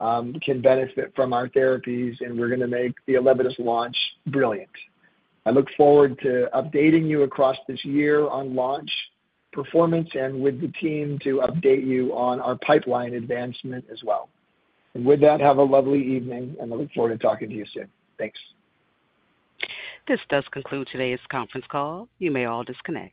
can benefit from our therapies, and we're going to make the ELEVIDYS launch brilliant. I look forward to updating you across this year on launch performance and with the team to update you on our pipeline advancement as well. And with that, have a lovely evening, and I look forward to talking to you soon. Thanks. This does conclude today's conference call. You may all disconnect.